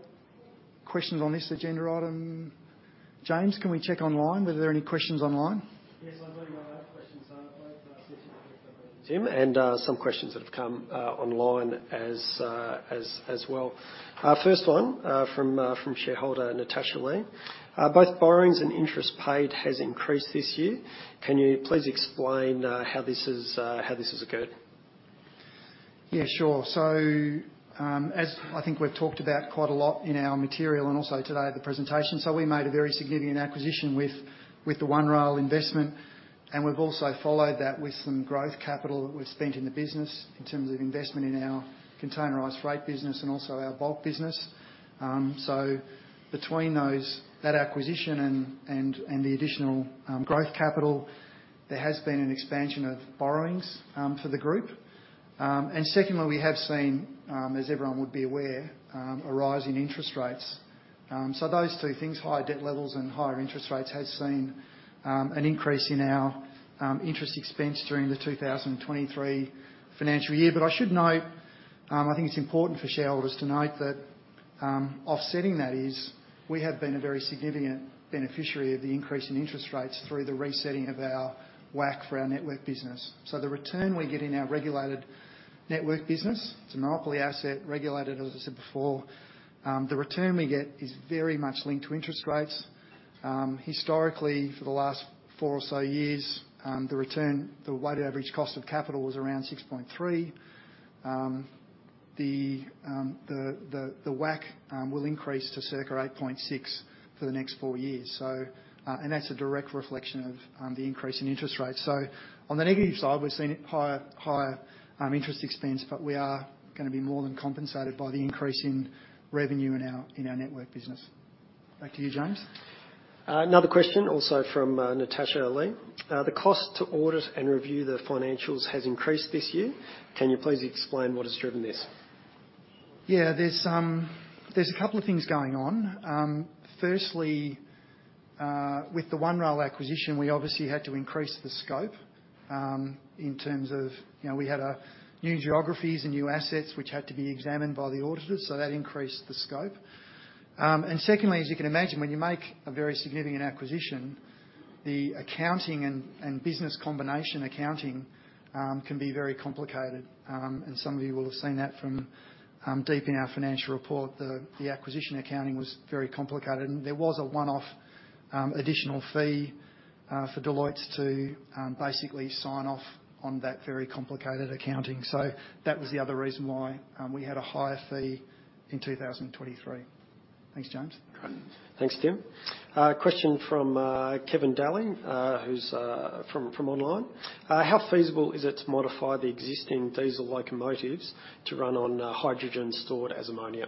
questions on this agenda item? James, can we check online whether there are any questions online? Yes, I've got a number of questions, both Tim, and some questions that have come online as well. First one from shareholder Natasha Lee: "Both borrowings and interest paid has increased this year. Can you please explain how this is occurred? Yeah, sure. So, as I think we've talked about quite a lot in our material and also today at the presentation, so we made a very significant acquisition with the One Rail investment, and we've also followed that with some growth capital that we've spent in the business in terms of investment in our Containerised Freight business and also our Bulk business. So between those, that acquisition and the additional growth capital, there has been an expansion of borrowings for the group. And secondly, we have seen, as everyone would be aware, a rise in interest rates. So those two things, higher debt levels and higher interest rates, has seen an increase in our interest expense during the 2023 financial year. I should note, I think it's important for shareholders to note that, offsetting that is we have been a very significant beneficiary of the increase in interest rates through the resetting of our WACC for our network business. So the return we get in our regulated network business, it's a monopoly asset, regulated, as I said before, the return we get is very much linked to interest rates. Historically, for the last four or so years, the return, the weighted average cost of capital was around 6.3. The WACC will increase to circa 8.6 for the next four years. So... And that's a direct reflection of the increase in interest rates. So on the negative side, we've seen higher, higher, interest expense, but we are gonna be more than compensated by the increase in revenue in our, in our network business. Back to you, James. Another question, also from Natasha Lee. "The cost to audit and review the financials has increased this year. Can you please explain what has driven this? Yeah, there's a couple of things going on. Firstly, with the One Rail acquisition, we obviously had to increase the scope, in terms of, you know, we had a new geographies and new assets which had to be examined by the auditors, so that increased the scope. And secondly, as you can imagine, when you make a very significant acquisition, the accounting and, and business combination accounting, can be very complicated. And some of you will have seen that from, deep in our financial report, the, the acquisition accounting was very complicated. And there was a one-off, additional fee, for Deloitte to, basically sign off on that very complicated accounting. So that was the other reason why, we had a higher fee in 2023. Thanks, James. Great. Thanks, Tim. A question from Kevin Daley, who's from online: "How feasible is it to modify the existing diesel locomotives to run on hydrogen stored as ammonia?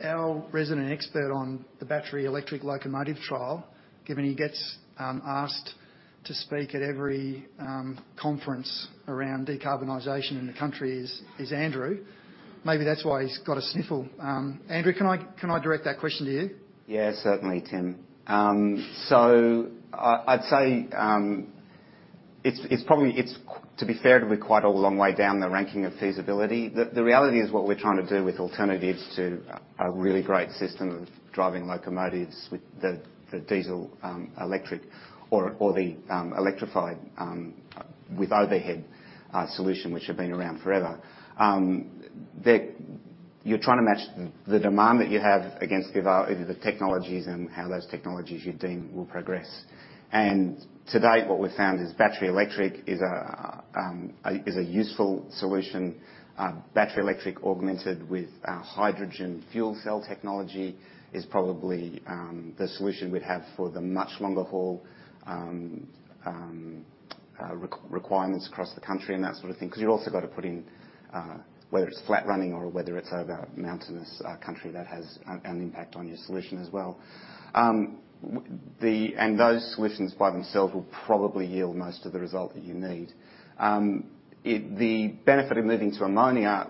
Our resident expert on the battery electric locomotive trial, given he gets asked to speak at every conference around decarbonization in the country, is Andrew. Maybe that's why he's got a sniffle. Andrew, can I direct that question to you? Yeah, certainly, Tim. So I'd say it's probably—it's to be fair, it'll be quite a long way down the ranking of feasibility. The reality is what we're trying to do with alternatives to a really great system of driving locomotives with the diesel electric or the electrified with overhead solution, which have been around forever. You're trying to match the demand that you have against the available technologies and how those technologies you deem will progress. And to date, what we've found is battery electric is a useful solution. Battery electric augmented with hydrogen fuel cell technology is probably the solution we'd have for the much longer haul requirements across the country and that sort of thing, 'cause you've also got to put in whether it's flat running or whether it's over mountainous country, that has an impact on your solution as well. And those solutions by themselves will probably yield most of the result that you need. The benefit of moving to ammonia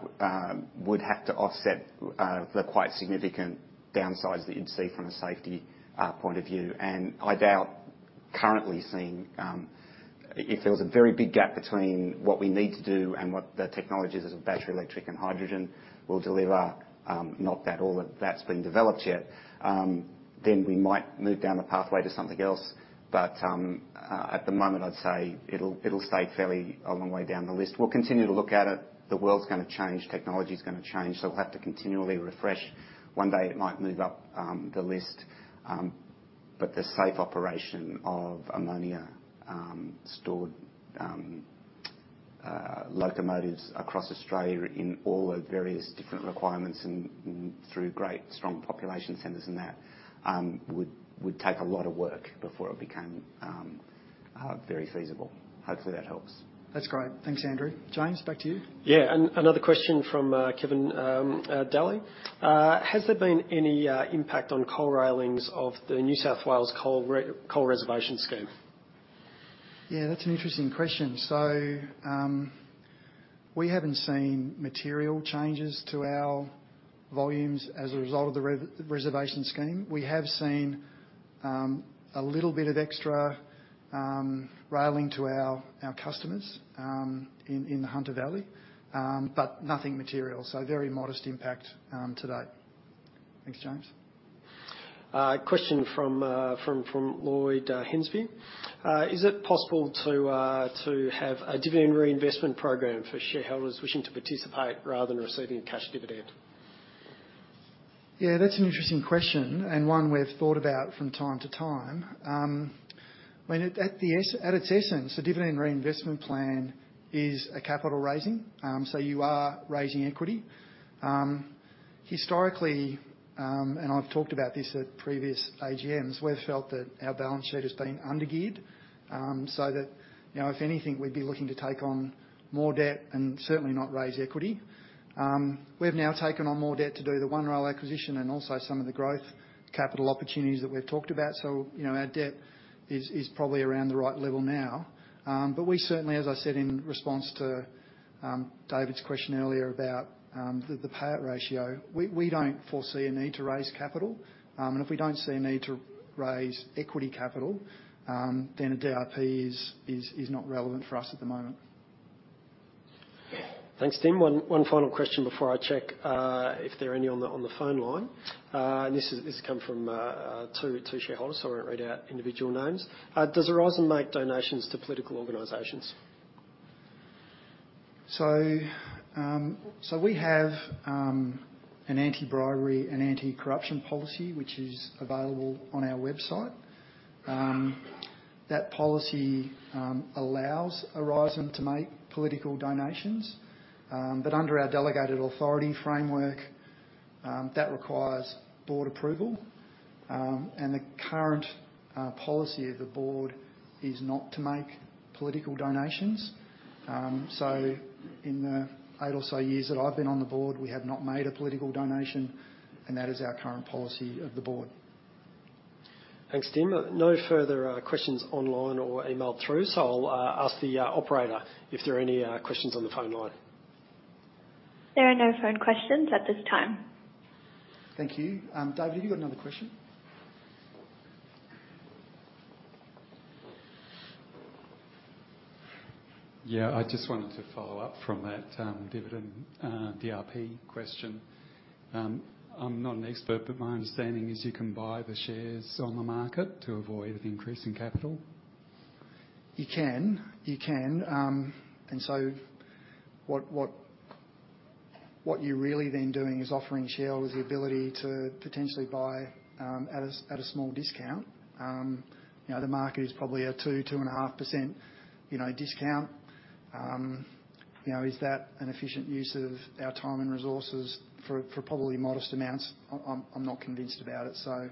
would have to offset the quite significant downsides that you'd see from a safety point of view. I doubt currently seeing if there was a very big gap between what we need to do and what the technologies as a battery electric and hydrogen will deliver, not that all of that's been developed yet, then we might move down the pathway to something else. But at the moment, I'd say it'll stay fairly a long way down the list. We'll continue to look at it. The world's gonna change, technology's gonna change, so we'll have to continually refresh. One day it might move up the list, but the safe operation of ammonia stored locomotives across Australia in all the various different requirements and through great strong population centers and that would take a lot of work before it became very feasible. Hopefully, that helps. That's great. Thanks, Andrew. James, back to you. Yeah, another question from Kevin Daley. "Has there been any impact on coal rail links of the New South Wales Coal Reservation Scheme? Yeah, that's an interesting question. So, we haven't seen material changes to our volumes as a result of the Reservation Scheme. We have seen a little bit of extra railing to our customers in the Hunter Valley, but nothing material. So very modest impact to date. Thanks, James. A question from Lloyd Hensby: "Is it possible to have a dividend reinvestment program for shareholders wishing to participate rather than receiving a cash dividend? Yeah, that's an interesting question, and one we've thought about from time to time. When it at its essence, a dividend reinvestment plan is a capital raising. So you are raising equity. Historically, and I've talked about this at previous AGMs, we've felt that our balance sheet has been under-geared. So that, you know, if anything, we'd be looking to take on more debt and certainly not raise equity. We've now taken on more debt to do the One Rail acquisition and also some of the growth capital opportunities that we've talked about. So, you know, our debt is probably around the right level now. But we certainly, as I said in response to David's question earlier about the payout ratio, we don't foresee a need to raise capital. If we don't see a need to raise equity capital, then a DRP is not relevant for us at the moment. Thanks, Tim. One final question before I check if there are any on the phone line. This comes from two shareholders, so I won't read out individual names. Does Aurizon make donations to political organizations? We have an anti-bribery and anti-corruption policy, which is available on our website. That policy allows Aurizon to make political donations, but under our delegated authority framework, that requires Board approval. The current policy of the Board is not to make political donations. In the eight or so years that I've been on the Board, we have not made a political donation, and that is our current policy of the Board. Thanks, Tim. No further questions online or emailed through, so I'll ask the operator if there are any questions on the phone line. There are no phone questions at this time. Thank you. David, have you got another question? Yeah, I just wanted to follow up from that, dividend, DRP question. I'm not an expert, but my understanding is you can buy the shares on the market to avoid increasing capital. You can. You can. And so what you're really then doing is offering shareholders the ability to potentially buy at a small discount. You know, the market is probably a 2%-2.5% discount. You know, is that an efficient use of our time and resources for probably modest amounts? I'm not convinced about it. So,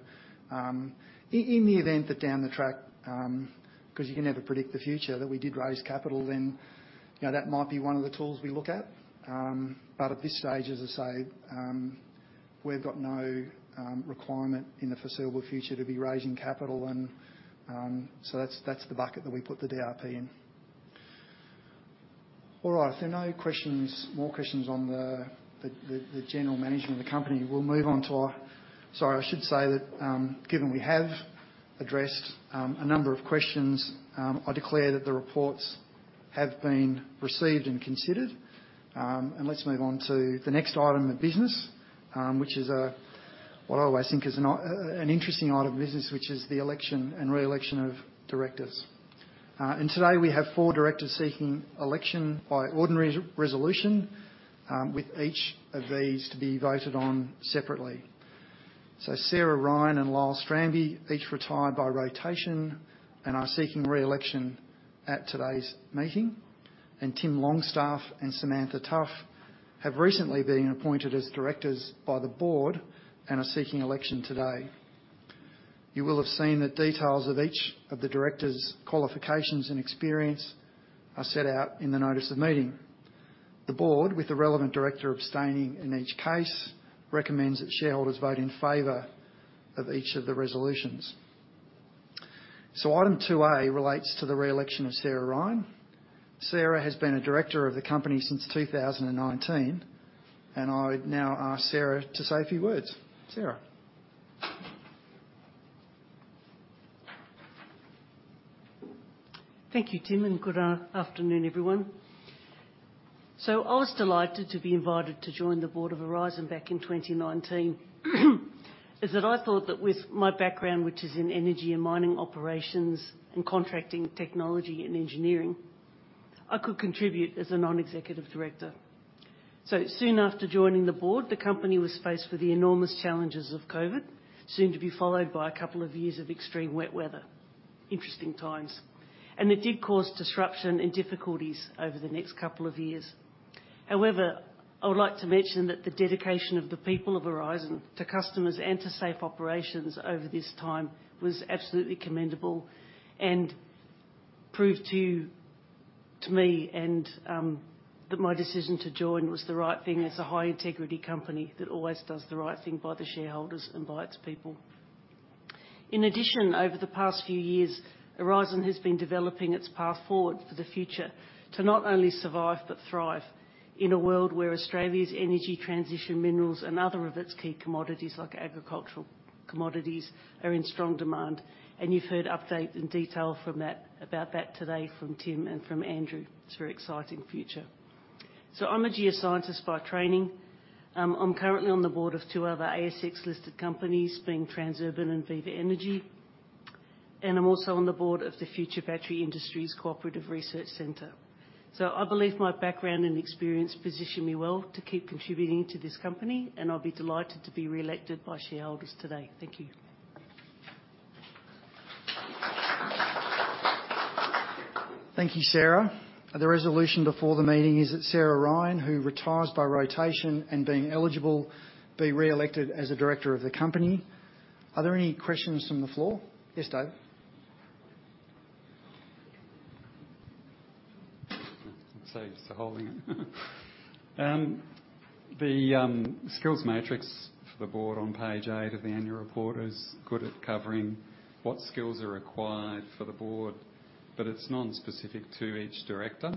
in the event that down the track, 'cause you can never predict the future, that we did raise capital, then, you know, that might be one of the tools we look at. But at this stage, as I say, we've got no requirement in the foreseeable future to be raising capital, and so that's the bucket that we put the DRP in. All right. If there are no questions, more questions on the general management of the company, we'll move on to our... Sorry, I should say that, given we have addressed a number of questions, I declare that the reports have been received and considered. And let's move on to the next item of business, which is what I always think is an interesting item of business, which is the election and re-election of directors. And today we have four directors seeking election by ordinary resolution, with each of these to be voted on separately. So Sarah Ryan and Lyell Strambi each retired by rotation and are seeking re-election at today's meeting. And Tim Longstaff and Samantha Tough have recently been appointed as directors by the Board and are seeking election today. You will have seen the details of each of the directors' qualifications and experience are set out in the notice of meeting. The Board, with the relevant director abstaining in each case, recommends that shareholders vote in favor of each of the resolutions. So Item 2A relates to the re-election of Sarah Ryan. Sarah has been a director of the company since 2019, and I would now ask Sarah to say a few words. Sarah? Thank you, Tim, and good afternoon, everyone. So I was delighted to be invited to join the Board of Aurizon back in 2019, is that I thought that with my background, which is in energy and mining operations and contracting technology and engineering, I could contribute as a non-executive director. So soon after joining the Board, the company was faced with the enormous challenges of COVID, soon to be followed by a couple of years of extreme wet weather. Interesting times. It did cause disruption and difficulties over the next couple of years. However, I would like to mention that the dedication of the people of Aurizon to customers and to safe operations over this time was absolutely commendable, and proved to me that my decision to join was the right thing, as a high integrity company that always does the right thing by the shareholders and by its people. In addition, over the past few years, Aurizon has been developing its path forward for the future to not only survive but thrive in a world where Australia's energy transition minerals and other of its key commodities, like agricultural commodities, are in strong demand. You've heard update and detail about that today from Tim and from Andrew. It's a very exciting future. I am a geoscientist by training. I am currently on the Board of two other ASX-listed companies, being Transurban and Viva Energy. I'm also on the Board of the Future Battery Industries Cooperative Research Centre. So I believe my background and experience position me well to keep contributing to this company, and I'll be delighted to be reelected by shareholders today. Thank you. Thank you, Sarah. The resolution before the meeting is that Sarah Ryan, who retires by rotation and being eligible, be reelected as a director of the company. Are there any questions from the floor? Yes, David. Save us the holding it. The skills matrix for the Board on page eight of the annual report is good at covering what skills are required for the Board, but it's nonspecific to each director.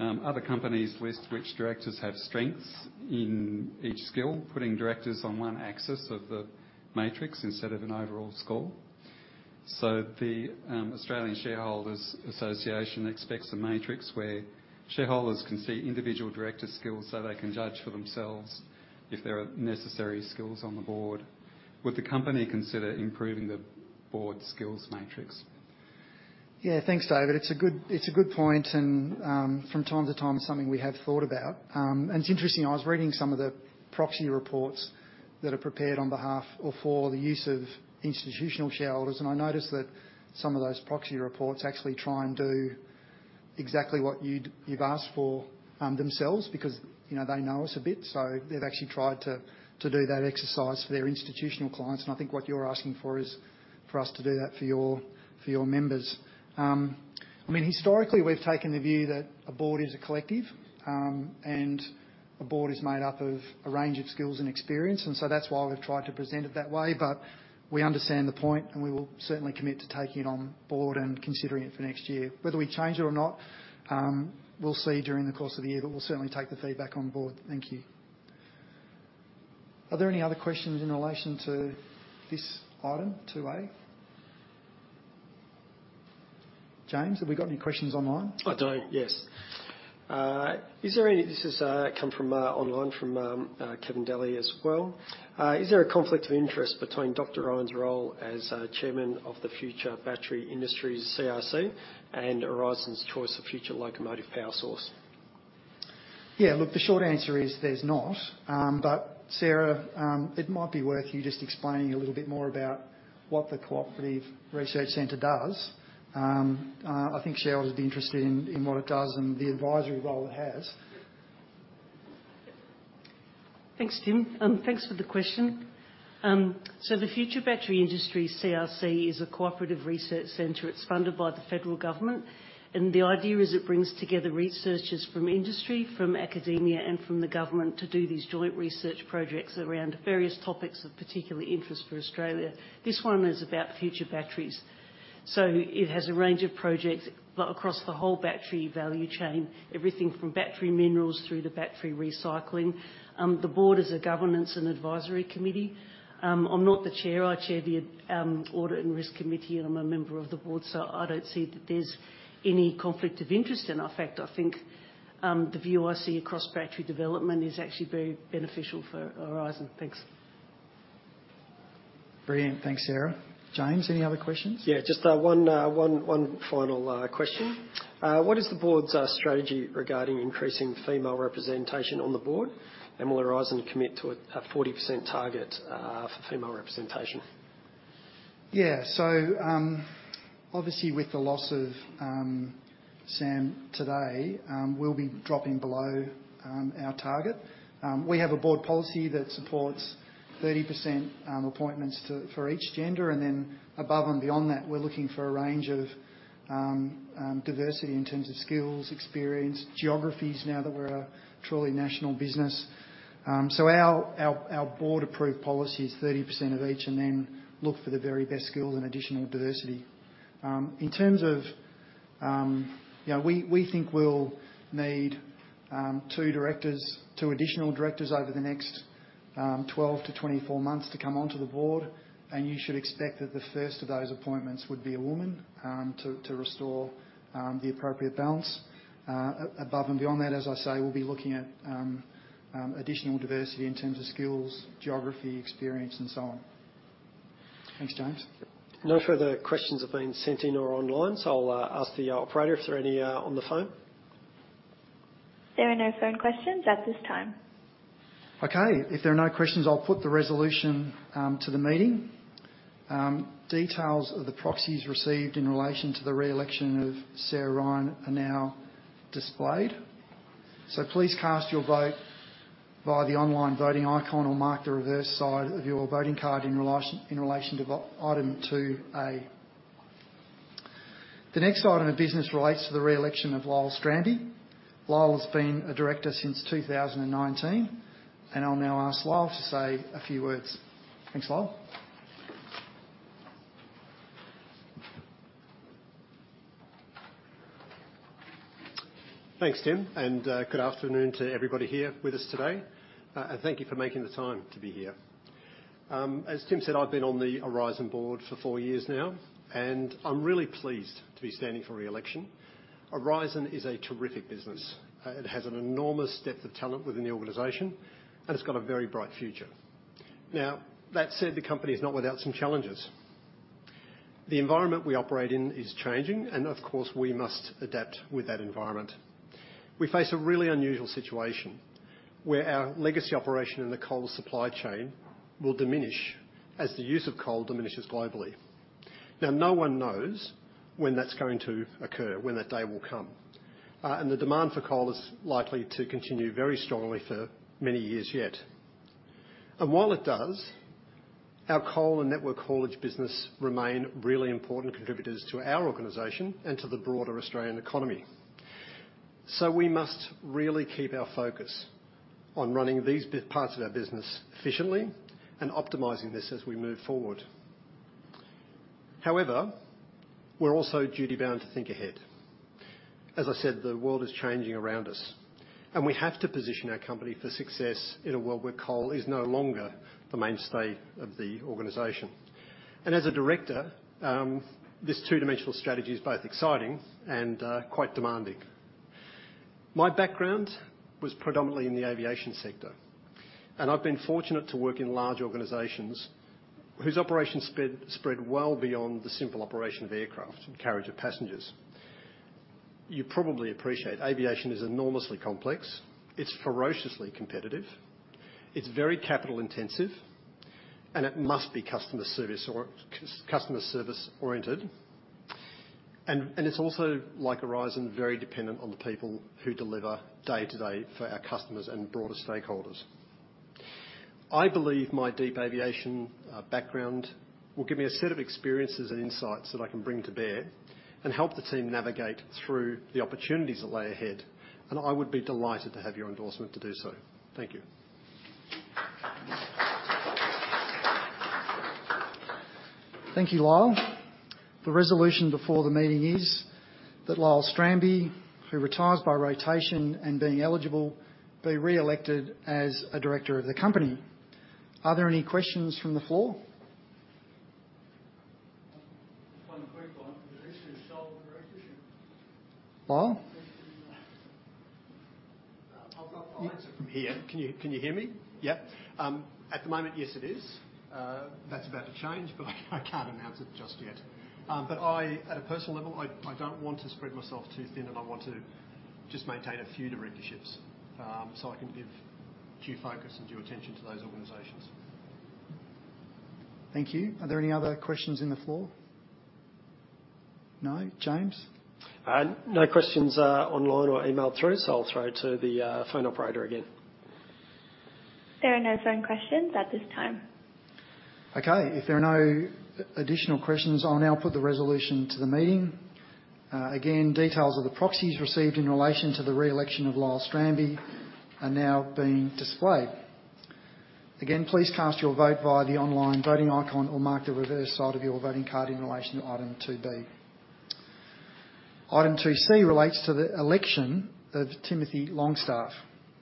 Other companies list which directors have strengths in each skill, putting directors on one axis of the matrix instead of an overall score. So, the Australian Shareholders Association expects a matrix where shareholders can see individual director skills so they can judge for themselves if there are necessary skills on the Board. Would the company consider improving the Board skills matrix? Yeah, thanks, David. It's a good, it's a good point, and, from time to time, it's something we have thought about. And it's interesting, I was reading some of the proxy reports that are prepared on behalf or for the use of institutional shareholders, and I noticed that some of those proxy reports actually try and do exactly what you'd, you've asked for, themselves, because, you know, they know us a bit, so they've actually tried to, to do that exercise for their institutional clients. And I think what you're asking for is for us to do that for your, for your members. I mean, historically, we've taken the view that a Board is a collective, and a Board is made up of a range of skills and experience, and so that's why we've tried to present it that way. We understand the point, and we will certainly commit to taking it on Board and considering it for next year. Whether we change it or not, we'll see during the course of the year, but we'll certainly take the feedback on Board. Thank you. Are there any other questions in relation to this Item 2A? James, have we got any questions online? I don't, yes. Is there any... This has come from online from Kevin Daley as well. Is there a conflict of interest between Dr. Ryan's role as chairman of the Future Battery Industries CRC and Aurizon's choice of future locomotive power source? Yeah, look, the short answer is there's not. But, Sarah, it might be worth you just explaining a little bit more about what the Cooperative Research Center does. I think shareholders would be interested in what it does and the advisory role it has. Thanks, Tim, and thanks for the question. So the Future Battery Industries CRC is a Cooperative Research Center. It's funded by the federal government, and the idea is it brings together researchers from industry, from academia, and from the government to do these joint research projects around various topics of particular interest for Australia. This one is about future batteries. So it has a range of projects across the whole battery value chain, everything from battery minerals through to battery recycling. The Board is a governance and advisory committee. I'm not the chair. I chair the audit and risk committee, and I'm a member of the Board, so I don't see that there's any conflict of interest. In fact, I think the view I see across battery development is actually very beneficial for Aurizon. Thanks. Brilliant. Thanks, Sarah. James, any other questions? Yeah, just one final question. What is the Board's strategy regarding increasing female representation on the Board? And will Aurizon commit to a 40% target for female representation? Yeah. So, obviously, with the loss of Sam today, we'll be dropping below our target. We have a Board policy that supports 30% appointments for each gender, and then above and beyond that, we're looking for a range of diversity in terms of skills, experience, geographies, now that we're a truly national business. So our Board-approved policy is 30% of each, and then look for the very best skills and additional diversity. In terms of, you know, we think we'll need two directors, two additional directors over the next 12-24 months to come onto the Board, and you should expect that the first of those appointments would be a woman, to restore the appropriate balance. Above and beyond that, as I say, we'll be looking at additional diversity in terms of skills, geography, experience, and so on. Thanks, James. No further questions have been sent in or online, so I'll ask the operator if there are any on the phone. There are no phone questions at this time. Okay. If there are no questions, I'll put the resolution to the meeting. Details of the proxies received in relation to the re-election of Sarah Ryan are now displayed. So please cast your vote via the online voting icon or mark the reverse side of your voting card in relation to Item 2A. The next item of business relates to the re-election of Lyell Strambi. Lyell has been a director since 2019, and I'll now ask Lyell to say a few words. Thanks, Lyell. Thanks, Tim, and good afternoon to everybody here with us today. And thank you for making the time to be here. As Tim said, I've been on the Aurizon Board for four years now, and I'm really pleased to be standing for re-election. Aurizon is a terrific business. It has an enormous depth of talent within the organization, and it's got a very bright future. Now, that said, the company is not without some challenges. The environment we operate in is changing, and of course, we must adapt with that environment. We face a really unusual situation where our legacy operation in the coal supply chain will diminish as the use of coal diminishes globally. Now, no one knows when that's going to occur, when that day will come. And the demand for coal is likely to continue very strongly for many years yet. While it does, our Coal and Network haulage business remain really important contributors to our organization and to the broader Australian economy. We must really keep our focus on running these parts of our business efficiently and optimizing this as we move forward. However, we're also duty-bound to think ahead. As I said, the world is changing around us, and we have to position our company for success in a world where coal is no longer the mainstay of the organization. As a director, this two-dimensional strategy is both exciting and quite demanding. My background was predominantly in the aviation sector, and I've been fortunate to work in large organizations whose operations spread well beyond the simple operation of aircraft and carriage of passengers. You probably appreciate aviation is enormously complex, it's ferociously competitive, it's very capital intensive, and it must be customer service or customer service-oriented. And it's also, like Aurizon, very dependent on the people who deliver day-to-day for our customers and broader stakeholders. I believe my deep aviation background will give me a set of experiences and insights that I can bring to bear and help the team navigate through the opportunities that lay ahead, and I would be delighted to have your endorsement to do so. Thank you. Thank you, Lyell. The resolution before the meeting is that Lyell Strambi, who retires by rotation and being eligible, be re-elected as a director of the company. Are there any questions from the floor? One quick one. Is this a sole directorship? Lyall? I've got the answer from here. Can you hear me? Yep. At the moment, yes, it is. That's about to change, but I can't announce it just yet. But at a personal level, I don't want to spread myself too thin, and I want to just maintain a few directorships, so I can give due focus and due attention to those organizations. Thank you. Are there any other questions on the floor? No. James? No questions online or emailed through, so I'll throw to the phone operator again. There are no phone questions at this time. Okay. If there are no additional questions, I'll now put the resolution to the meeting. Again, details of the proxies received in relation to the re-election of Lyell Strambi are now being displayed. Again, please cast your vote via the online voting icon or mark the reverse side of your voting card in relation to Item 2B. Item 2C relates to the election of Timothy Longstaff.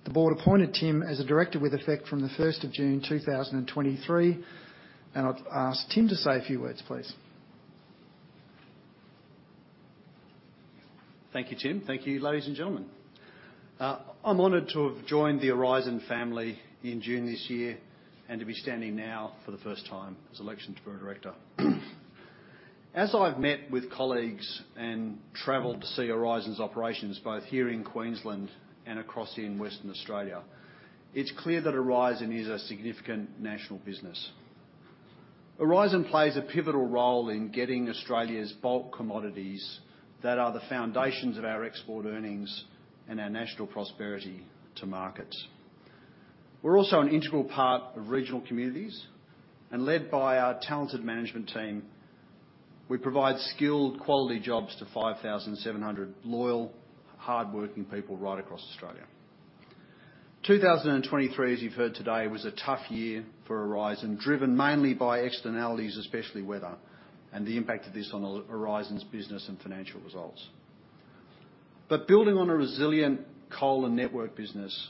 The Board appointed Tim as a director with effect from the first of June, two thousand and twenty-three, and I'd ask Tim to say a few words, please. Thank you, Tim. Thank you, ladies and gentlemen. I'm honored to have joined the Aurizon family in June this year and to be standing now for the first time as election for a director. As I've met with colleagues and traveled to see Aurizon's operations, both here in Queensland and across in Western Australia, it's clear that Aurizon is a significant national business. Aurizon plays a pivotal role in getting Australia's Bulk commodities that are the foundations of our export earnings and our national prosperity to markets. We're also an integral part of regional communities, and led by our talented management team, we provide skilled, quality jobs to 5,700 loyal, hardworking people right across Australia. 2023, as you've heard today, was a tough year for Aurizon, driven mainly by externalities, especially weather and the impact of this on Aurizon's business and financial results. But building on a resilient Coal and Network business,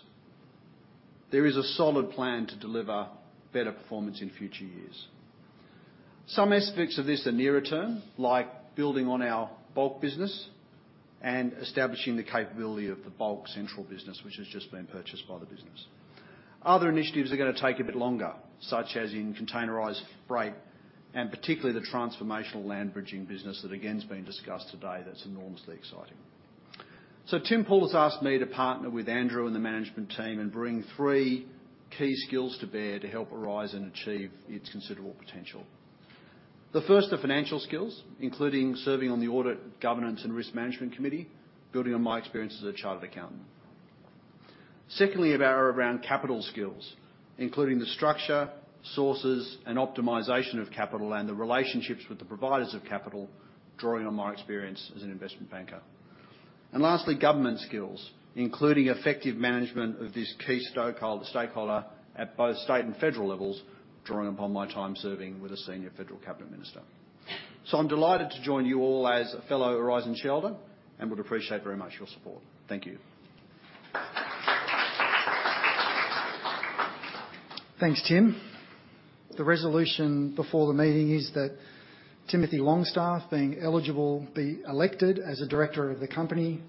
there is a solid plan to deliver better performance in future years. Some aspects of this are near term, like building on our Bulk business and establishing the capability of the Bulk Central business, which has just been purchased by the business. Other initiatives are gonna take a bit longer, such as in Containerised Freight, and particularly the transformational land bridging business that again, has been discussed today, that's enormously exciting. So Tim Poole has asked me to partner with Andrew and the management team and bring three key skills to bear to help Aurizon achieve its considerable potential. The first are financial skills, including serving on the Audit, Governance, and Risk Management Committee, building on my experience as a chartered accountant. Secondly, offer around capital skills, including the structure, sources, and optimization of capital, and the relationships with the providers of capital, drawing on my experience as an investment banker. And lastly, government skills, including effective management of this key stakeholder at both state and federal levels, drawing upon my time serving with a senior federal cabinet minister. So I'm delighted to join you all as a fellow Aurizon shareholder and would appreciate very much your support. Thank you. Thanks, Tim. The resolution before the meeting is that Timothy Longstaff, being eligible, be elected as a director of the company.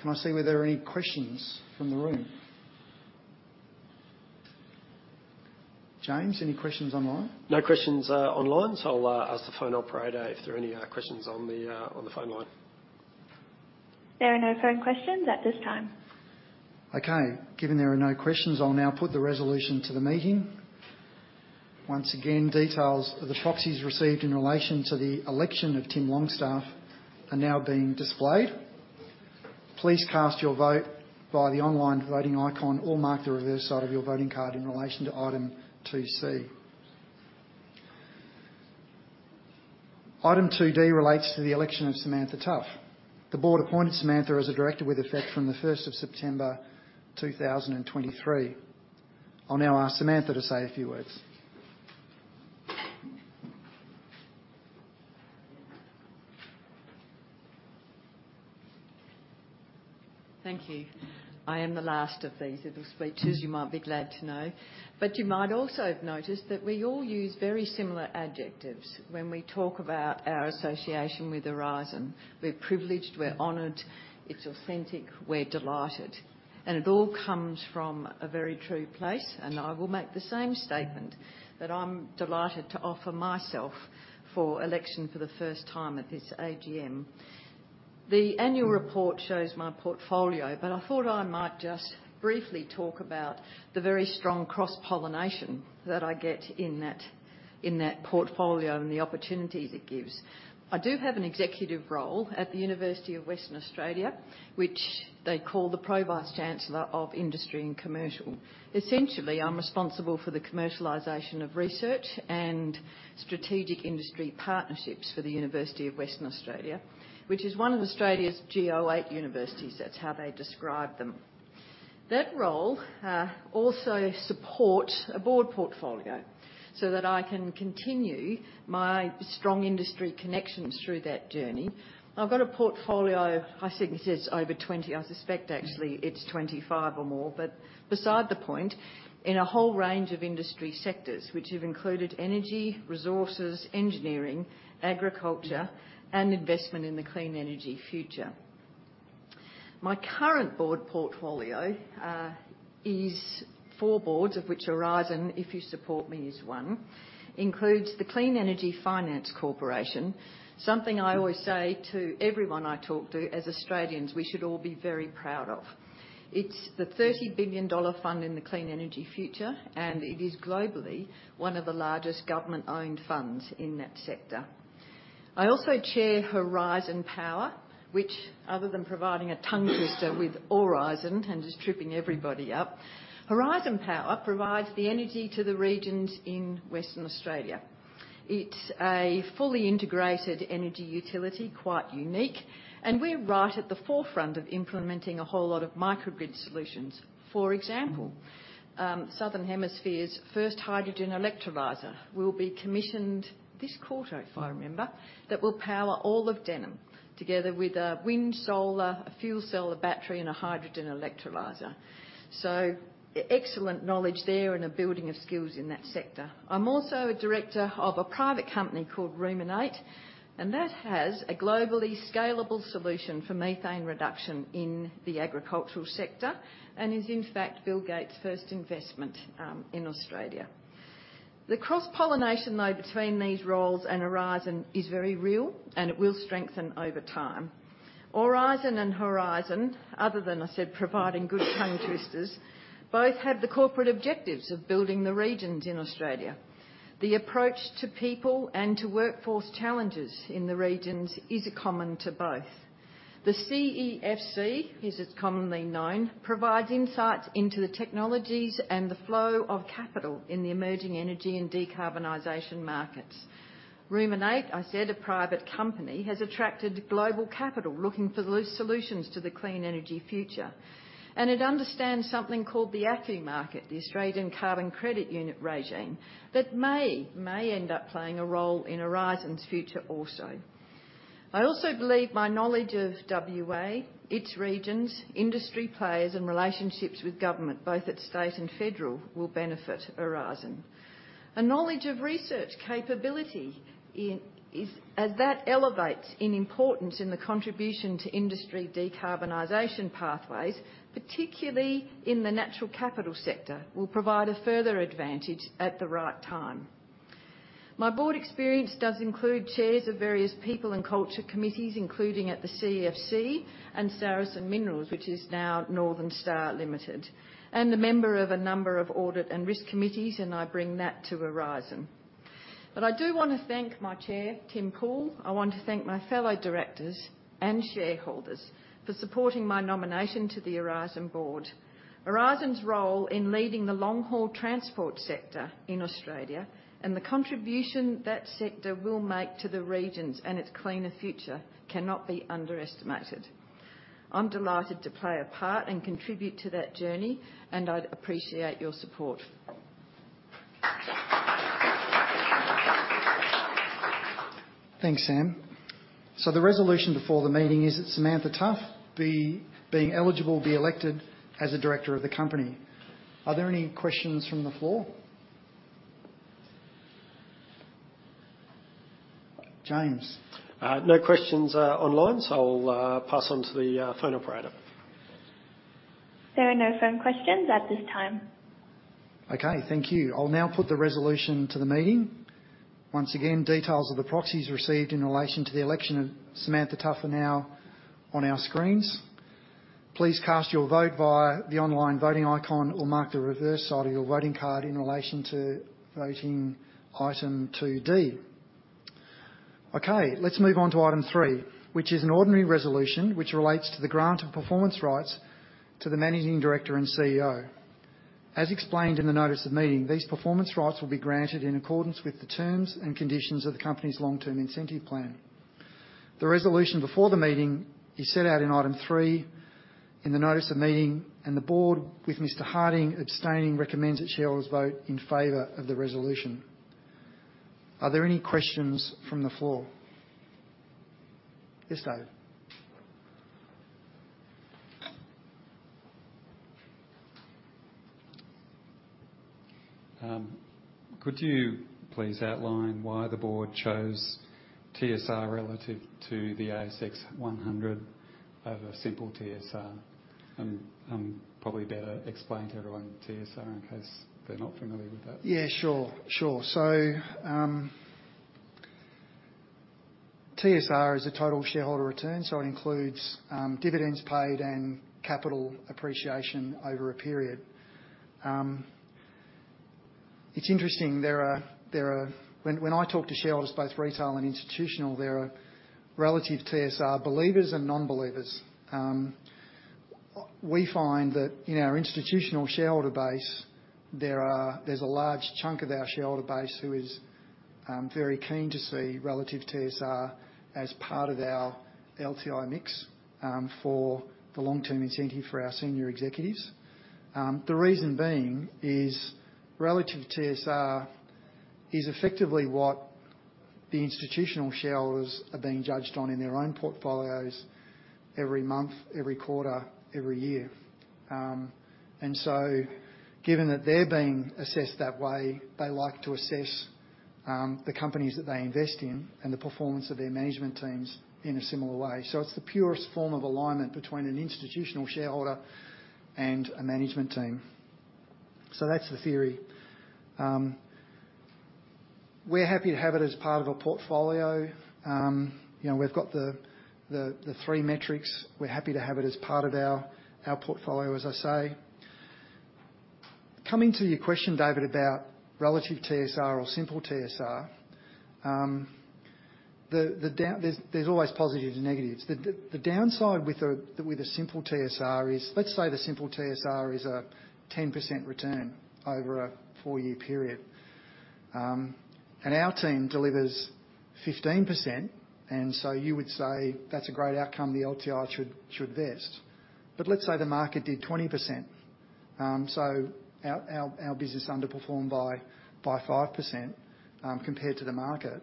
Can I see whether there are any questions from the room? James, any questions online? No questions online, so I'll ask the phone operator if there are any questions on the phone line. There are no phone questions at this time. Okay. Given there are no questions, I'll now put the resolution to the meeting. Once again, details of the proxies received in relation to the election of Tim Longstaff are now being displayed. Please cast your vote via the online voting icon or mark the reverse side of your voting card in relation to Item 2C. Item 2D relates to the election of Samantha Tough. The Board appointed Samantha as a director with effect from the 1st of September, 2023. I'll now ask Samantha to say a few words. Thank you. I am the last of these little speeches, you might be glad to know. But you might also have noticed that we all use very similar adjectives when we talk about our association with Aurizon. We're privileged, we're honored, it's authentic, we're delighted, and it all comes from a very true place. And I will make the same statement, that I'm delighted to offer myself for election for the first time at this AGM. The annual report shows my portfolio, but I thought I might just briefly talk about the very strong cross-pollination that I get in that, in that portfolio and the opportunities it gives. I do have an executive role at the University of Western Australia, which they call the Pro Vice-Chancellor of Industry and Commercial. Essentially, I'm responsible for the commercialization of research and strategic industry partnerships for the University of Western Australia, which is one of Australia's Go8 universities. That's how they describe them. That role also support a Board portfolio, so that I can continue my strong industry connections through that journey. I've got a portfolio, I think it says over 20, I suspect actually it's 25 or more, but beside the point, in a whole range of industry sectors, which have included energy, resources, engineering, agriculture, and investment in the clean energy future. My current Board portfolio is 4 Boards, of which Aurizon, if you support me, is one. Includes the Clean Energy Finance Corporation. Something I always say to everyone I talk to, as Australians, we should all be very proud of. It's the 30 billion dollar fund in the clean energy future, and it is globally one of the largest government-owned funds in that sector. I also chair Horizon Power, which other than providing a tongue twister with Aurizon and just tripping everybody up, Horizon Power provides the energy to the regions in Western Australia. It's a fully integrated energy utility, quite unique, and we're right at the forefront of implementing a whole lot of microgrid solutions. For example, Southern Hemisphere's first hydrogen electrolyzer will be commissioned this quarter, if I remember, that will power all of Denham together with a wind solar, a fuel cell, a battery, and a hydrogen electrolyzer. Excellent knowledge there and a building of skills in that sector. I'm also a director of a private company called Rumin8, and that has a globally scalable solution for methane reduction in the agricultural sector, and is in fact, Bill Gates' first investment in Australia. The cross-pollination, though, between these roles and Aurizon is very real and it will strengthen over time. Aurizon and Horizon, other than I said, providing good tongue twisters, both have the corporate objectives of building the regions in Australia. The approach to people and to workforce challenges in the regions is common to both. The CEFC, as it's commonly known, provides insights into the technologies and the flow of capital in the emerging energy and decarbonization markets. Rumin8, I said, a private company, has attracted global capital looking for the solutions to the clean energy future, and it understands something called the ACCU market, the Australian Carbon Credit Unit regime, that may end up playing a role in Aurizon's future also. I also believe my knowledge of WA, its regions, industry players, and relationships with government, both at state and federal, will benefit Aurizon. A knowledge of research capability as that elevates in importance in the contribution to industry decarbonization pathways, particularly in the natural capital sector, will provide a further advantage at the right time. My Board experience does include chairs of various people and culture committees, including at the CEFC and Saracen Minerals, which is now Northern Star Limited, and a member of a number of audit and risk committees, and I bring that to Aurizon. I do want to thank my chair, Tim Poole. I want to thank my fellow directors and shareholders for supporting my nomination to the Aurizon Board. Aurizon's role in leading the long-haul transport sector in Australia, and the contribution that sector will make to the regions and its cleaner future, cannot be underestimated. I'm delighted to play a part and contribute to that journey, and I'd appreciate your support. Thanks, Sam. So the resolution before the meeting is that Samantha Tough be, being eligible, be elected as a director of the company. Are there any questions from the floor?... James? No questions online, so I'll pass on to the phone operator. There are no phone questions at this time. Okay, thank you. I'll now put the resolution to the meeting. Once again, details of the proxies received in relation to the election of Samantha Tough are now on our screens. Please cast your vote via the online voting icon, or mark the reverse side of your voting card in relation to voting Item 2D. Okay, let's move on to Item 3, which is an ordinary resolution which relates to the grant of performance rights to the managing director and CEO. As explained in the notice of meeting, these performance rights will be granted in accordance with the terms and conditions of the company's long-term incentive plan. The resolution before the meeting is set out in Item 3, in the notice of meeting, and the Board, with Mr. Harding abstaining, recommends that shareholders vote in favor of the resolution. Are there any questions from the floor? Yes, David. Could you please outline why the Board chose TSR relative to the ASX 100 over simple TSR? And, probably better explain to everyone TSR, in case they're not familiar with that. Yeah, sure, sure. So, TSR is a total shareholder return, so it includes dividends paid and capital appreciation over a period. It's interesting, there are, there are... When I talk to shareholders, both retail and institutional, there are relative TSR believers and non-believers. We find that in our institutional shareholder base, there are, there's a large chunk of our shareholder base who is very keen to see relative TSR as part of our LTI mix, for the long-term incentive for our senior executives. The reason being is relative TSR is effectively what the institutional shareholders are being judged on in their own portfolios every month, every quarter, every year. And so given that they're being assessed that way, they like to assess the companies that they invest in and the performance of their management teams in a similar way. It's the purest form of alignment between an institutional shareholder and a management team. So that's the theory. We're happy to have it as part of a portfolio. You know, we've got the three metrics. We're happy to have it as part of our portfolio, as I say. Coming to your question, David, about relative TSR or simple TSR, there's always positives and negatives. The downside with a simple TSR is, let's say the simple TSR is a 10% return over a four-year period. And our team delivers 15%, and so you would say that's a great outcome, the LTI should vest. But let's say the market did 20%. So our business underperformed by 5%, compared to the market.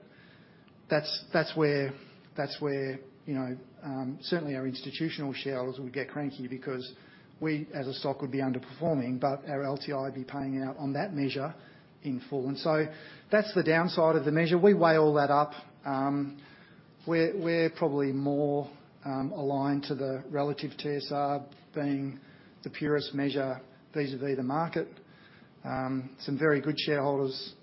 That's where, you know, certainly our institutional shareholders would get cranky because we, as a stock, would be underperforming, but our LTI would be paying out on that measure in full. And so that's the downside of the measure. We weigh all that up. We're probably more aligned to the relative TSR being the purest measure vis-à-vis the market. Some very good shareholders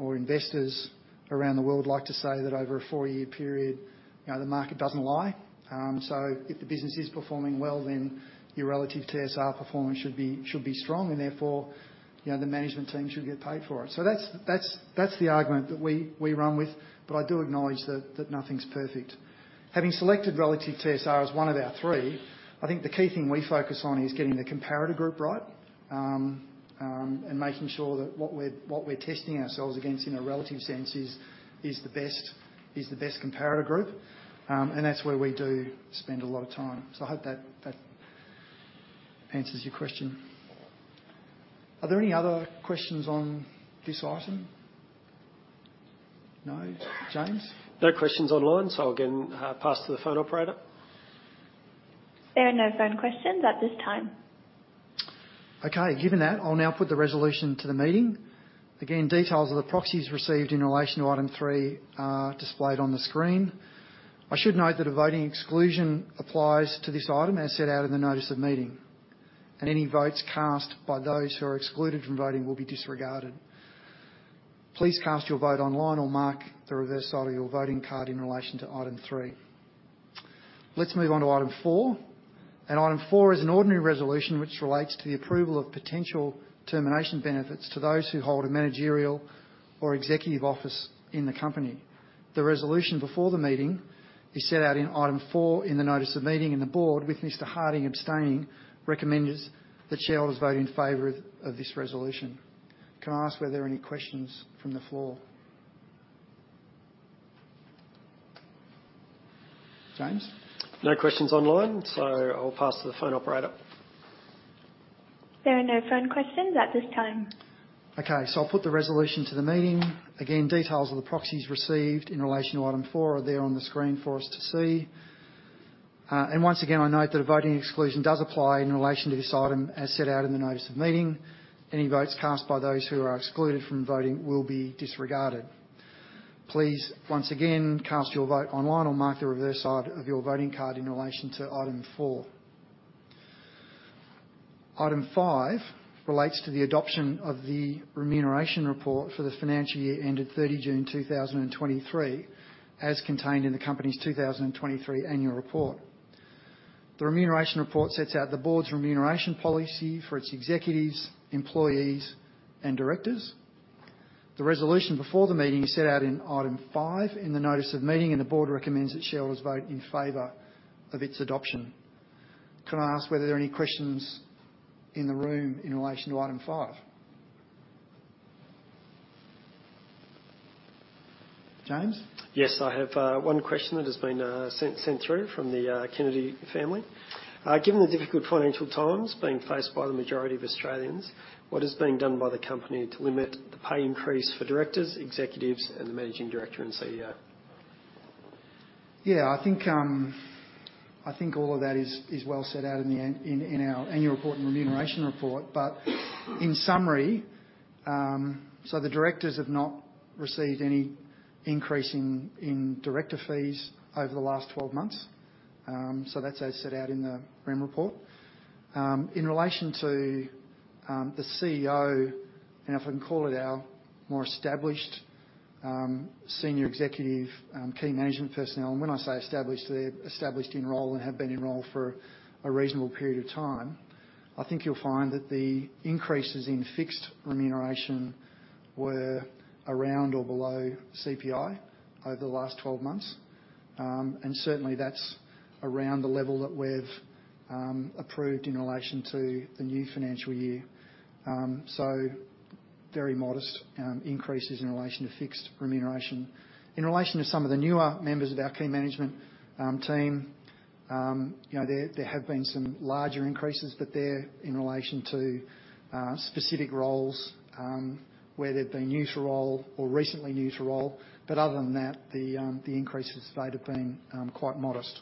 or investors around the world like to say that over a four-year period, you know, the market doesn't lie. So if the business is performing well, then your relative TSR performance should be strong, and therefore, you know, the management team should get paid for it. So that's the argument that we run with, but I do acknowledge that nothing's perfect. Having selected Relative TSR as one of our three, I think the key thing we focus on is getting the comparator group right and making sure that what we're testing ourselves against in a relative sense is the best comparator group. And that's where we do spend a lot of time. So, I hope that answers your question. Are there any other questions on this item? No. James? No questions online, so I'll again, pass to the phone operator. There are no phone questions at this time. Okay. Given that, I'll now put the resolution to the meeting. Again, details of the proxies received in relation to Item 3 are displayed on the screen. I should note that a voting exclusion applies to this item, as set out in the notice of meeting, and any votes cast by those who are excluded from voting will be disregarded. Please cast your vote online, or mark the reverse side of your voting card in relation to Item 3. Let's move on to Item 4, and Item 4 is an ordinary resolution which relates to the approval of potential termination benefits to those who hold a managerial or executive office in the company. The resolution before the meeting is set out in Item 4 in the notice of meeting, and the Board, with Mr. Harding abstaining, recommends that shareholders vote in favor of this resolution. Can I ask were there any questions from the floor? James? No questions online, so I'll pass to the phone operator. There are no phone questions at this time. Okay, so I'll put the resolution to the meeting. Again, details of the proxies received in relation to Item 4 are there on the screen for us to see.... And once again, I note that a voting exclusion does apply in relation to this item, as set out in the notice of meeting. Any votes cast by those who are excluded from voting will be disregarded. Please, once again, cast your vote online or mark the reverse side of your voting card in relation to Item 4. Item 5 relates to the adoption of the remuneration report for the financial year ended June 30, 2023, as contained in the company's 2023 annual report. The remuneration report sets out the Board's remuneration policy for its executives, employees, and directors. The resolution before the meeting is set out in Item 5, in the notice of meeting, and the Board recommends that shareholders vote in favor of its adoption. Can I ask whether there are any questions in the room in relation to Item 5? James? Yes, I have one question that has been sent through from the Kennedy family. Given the difficult financial times being faced by the majority of Australians, what is being done by the company to limit the pay increase for directors, executives, and the managing director and CEO? Yeah, I think all of that is well set out in the annual report and remuneration report. But in summary, so the directors have not received any increase in director fees over the last 12 months. So that's as set out in the REM report. In relation to the CEO, and if I can call it our more established senior executive key management personnel, and when I say established, they're established in role and have been in role for a reasonable period of time. I think you'll find that the increases in fixed remuneration were around or below CPI over the last 12 months. And certainly, that's around the level that we've approved in relation to the new financial year. So very modest increases in relation to fixed remuneration. In relation to some of the newer members of our key management team, you know, there have been some larger increases, but they're in relation to specific roles where they are new to role or recently new to role. But other than that, the increases made have been quite modest.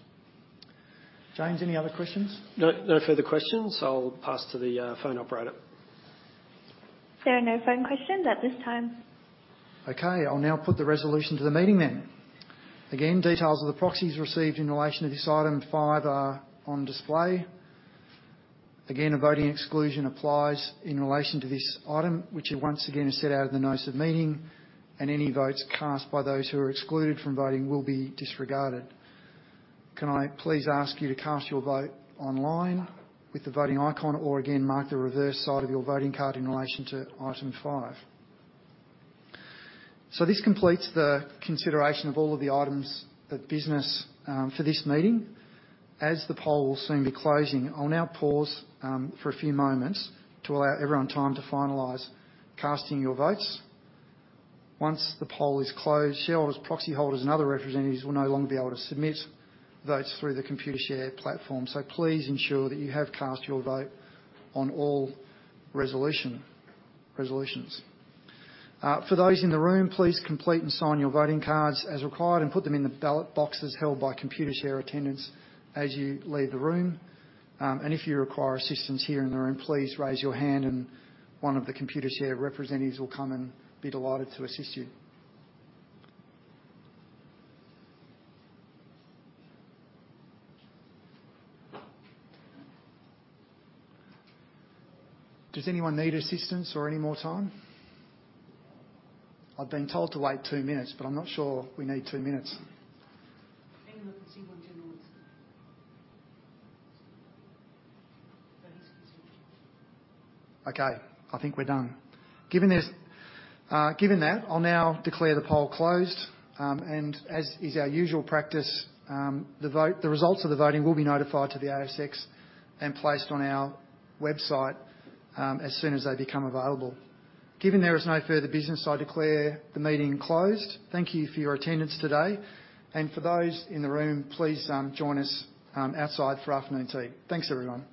James, any other questions? No, no further questions. I'll pass to the phone operator. There are no phone questions at this time. Okay. I'll now put the resolution to the meeting then. Again, details of the proxies received in relation to this Item 5 are on display. Again, a voting exclusion applies in relation to this item, which is once again, is set out in the notice of meeting, and any votes cast by those who are excluded from voting will be disregarded. Can I please ask you to cast your vote online with the voting icon, or again, mark the reverse side of your voting card in relation to Item 5? So, this completes the consideration of all of the items of business, for this meeting. As the poll will soon be closing, I'll now pause, for a few moments to allow everyone time to finalize casting your votes. Once the poll is closed, shareholders, proxy holders, and other representatives will no longer be able to submit votes through the Computershare platform. So please ensure that you have cast your vote on all resolution, resolutions. For those in the room, please complete and sign your voting cards as required, and put them in the ballot boxes held by Computershare attendants as you leave the room. If you require assistance here in the room, please raise your hand and one of the Computershare representatives will come and be delighted to assist you. Does anyone need assistance or any more time? I've been told to wait two minutes, but I'm not sure we need two minutes. I think we can see one-two minutes. Okay, I think we're done. Given that, I'll now declare the poll closed. And as is our usual practice, the results of the voting will be notified to the ASX and placed on our website, as soon as they become available. Given there is no further business, I declare the meeting closed. Thank you for your attendance today. And for those in the room, please, join us, outside for afternoon tea. Thanks, everyone.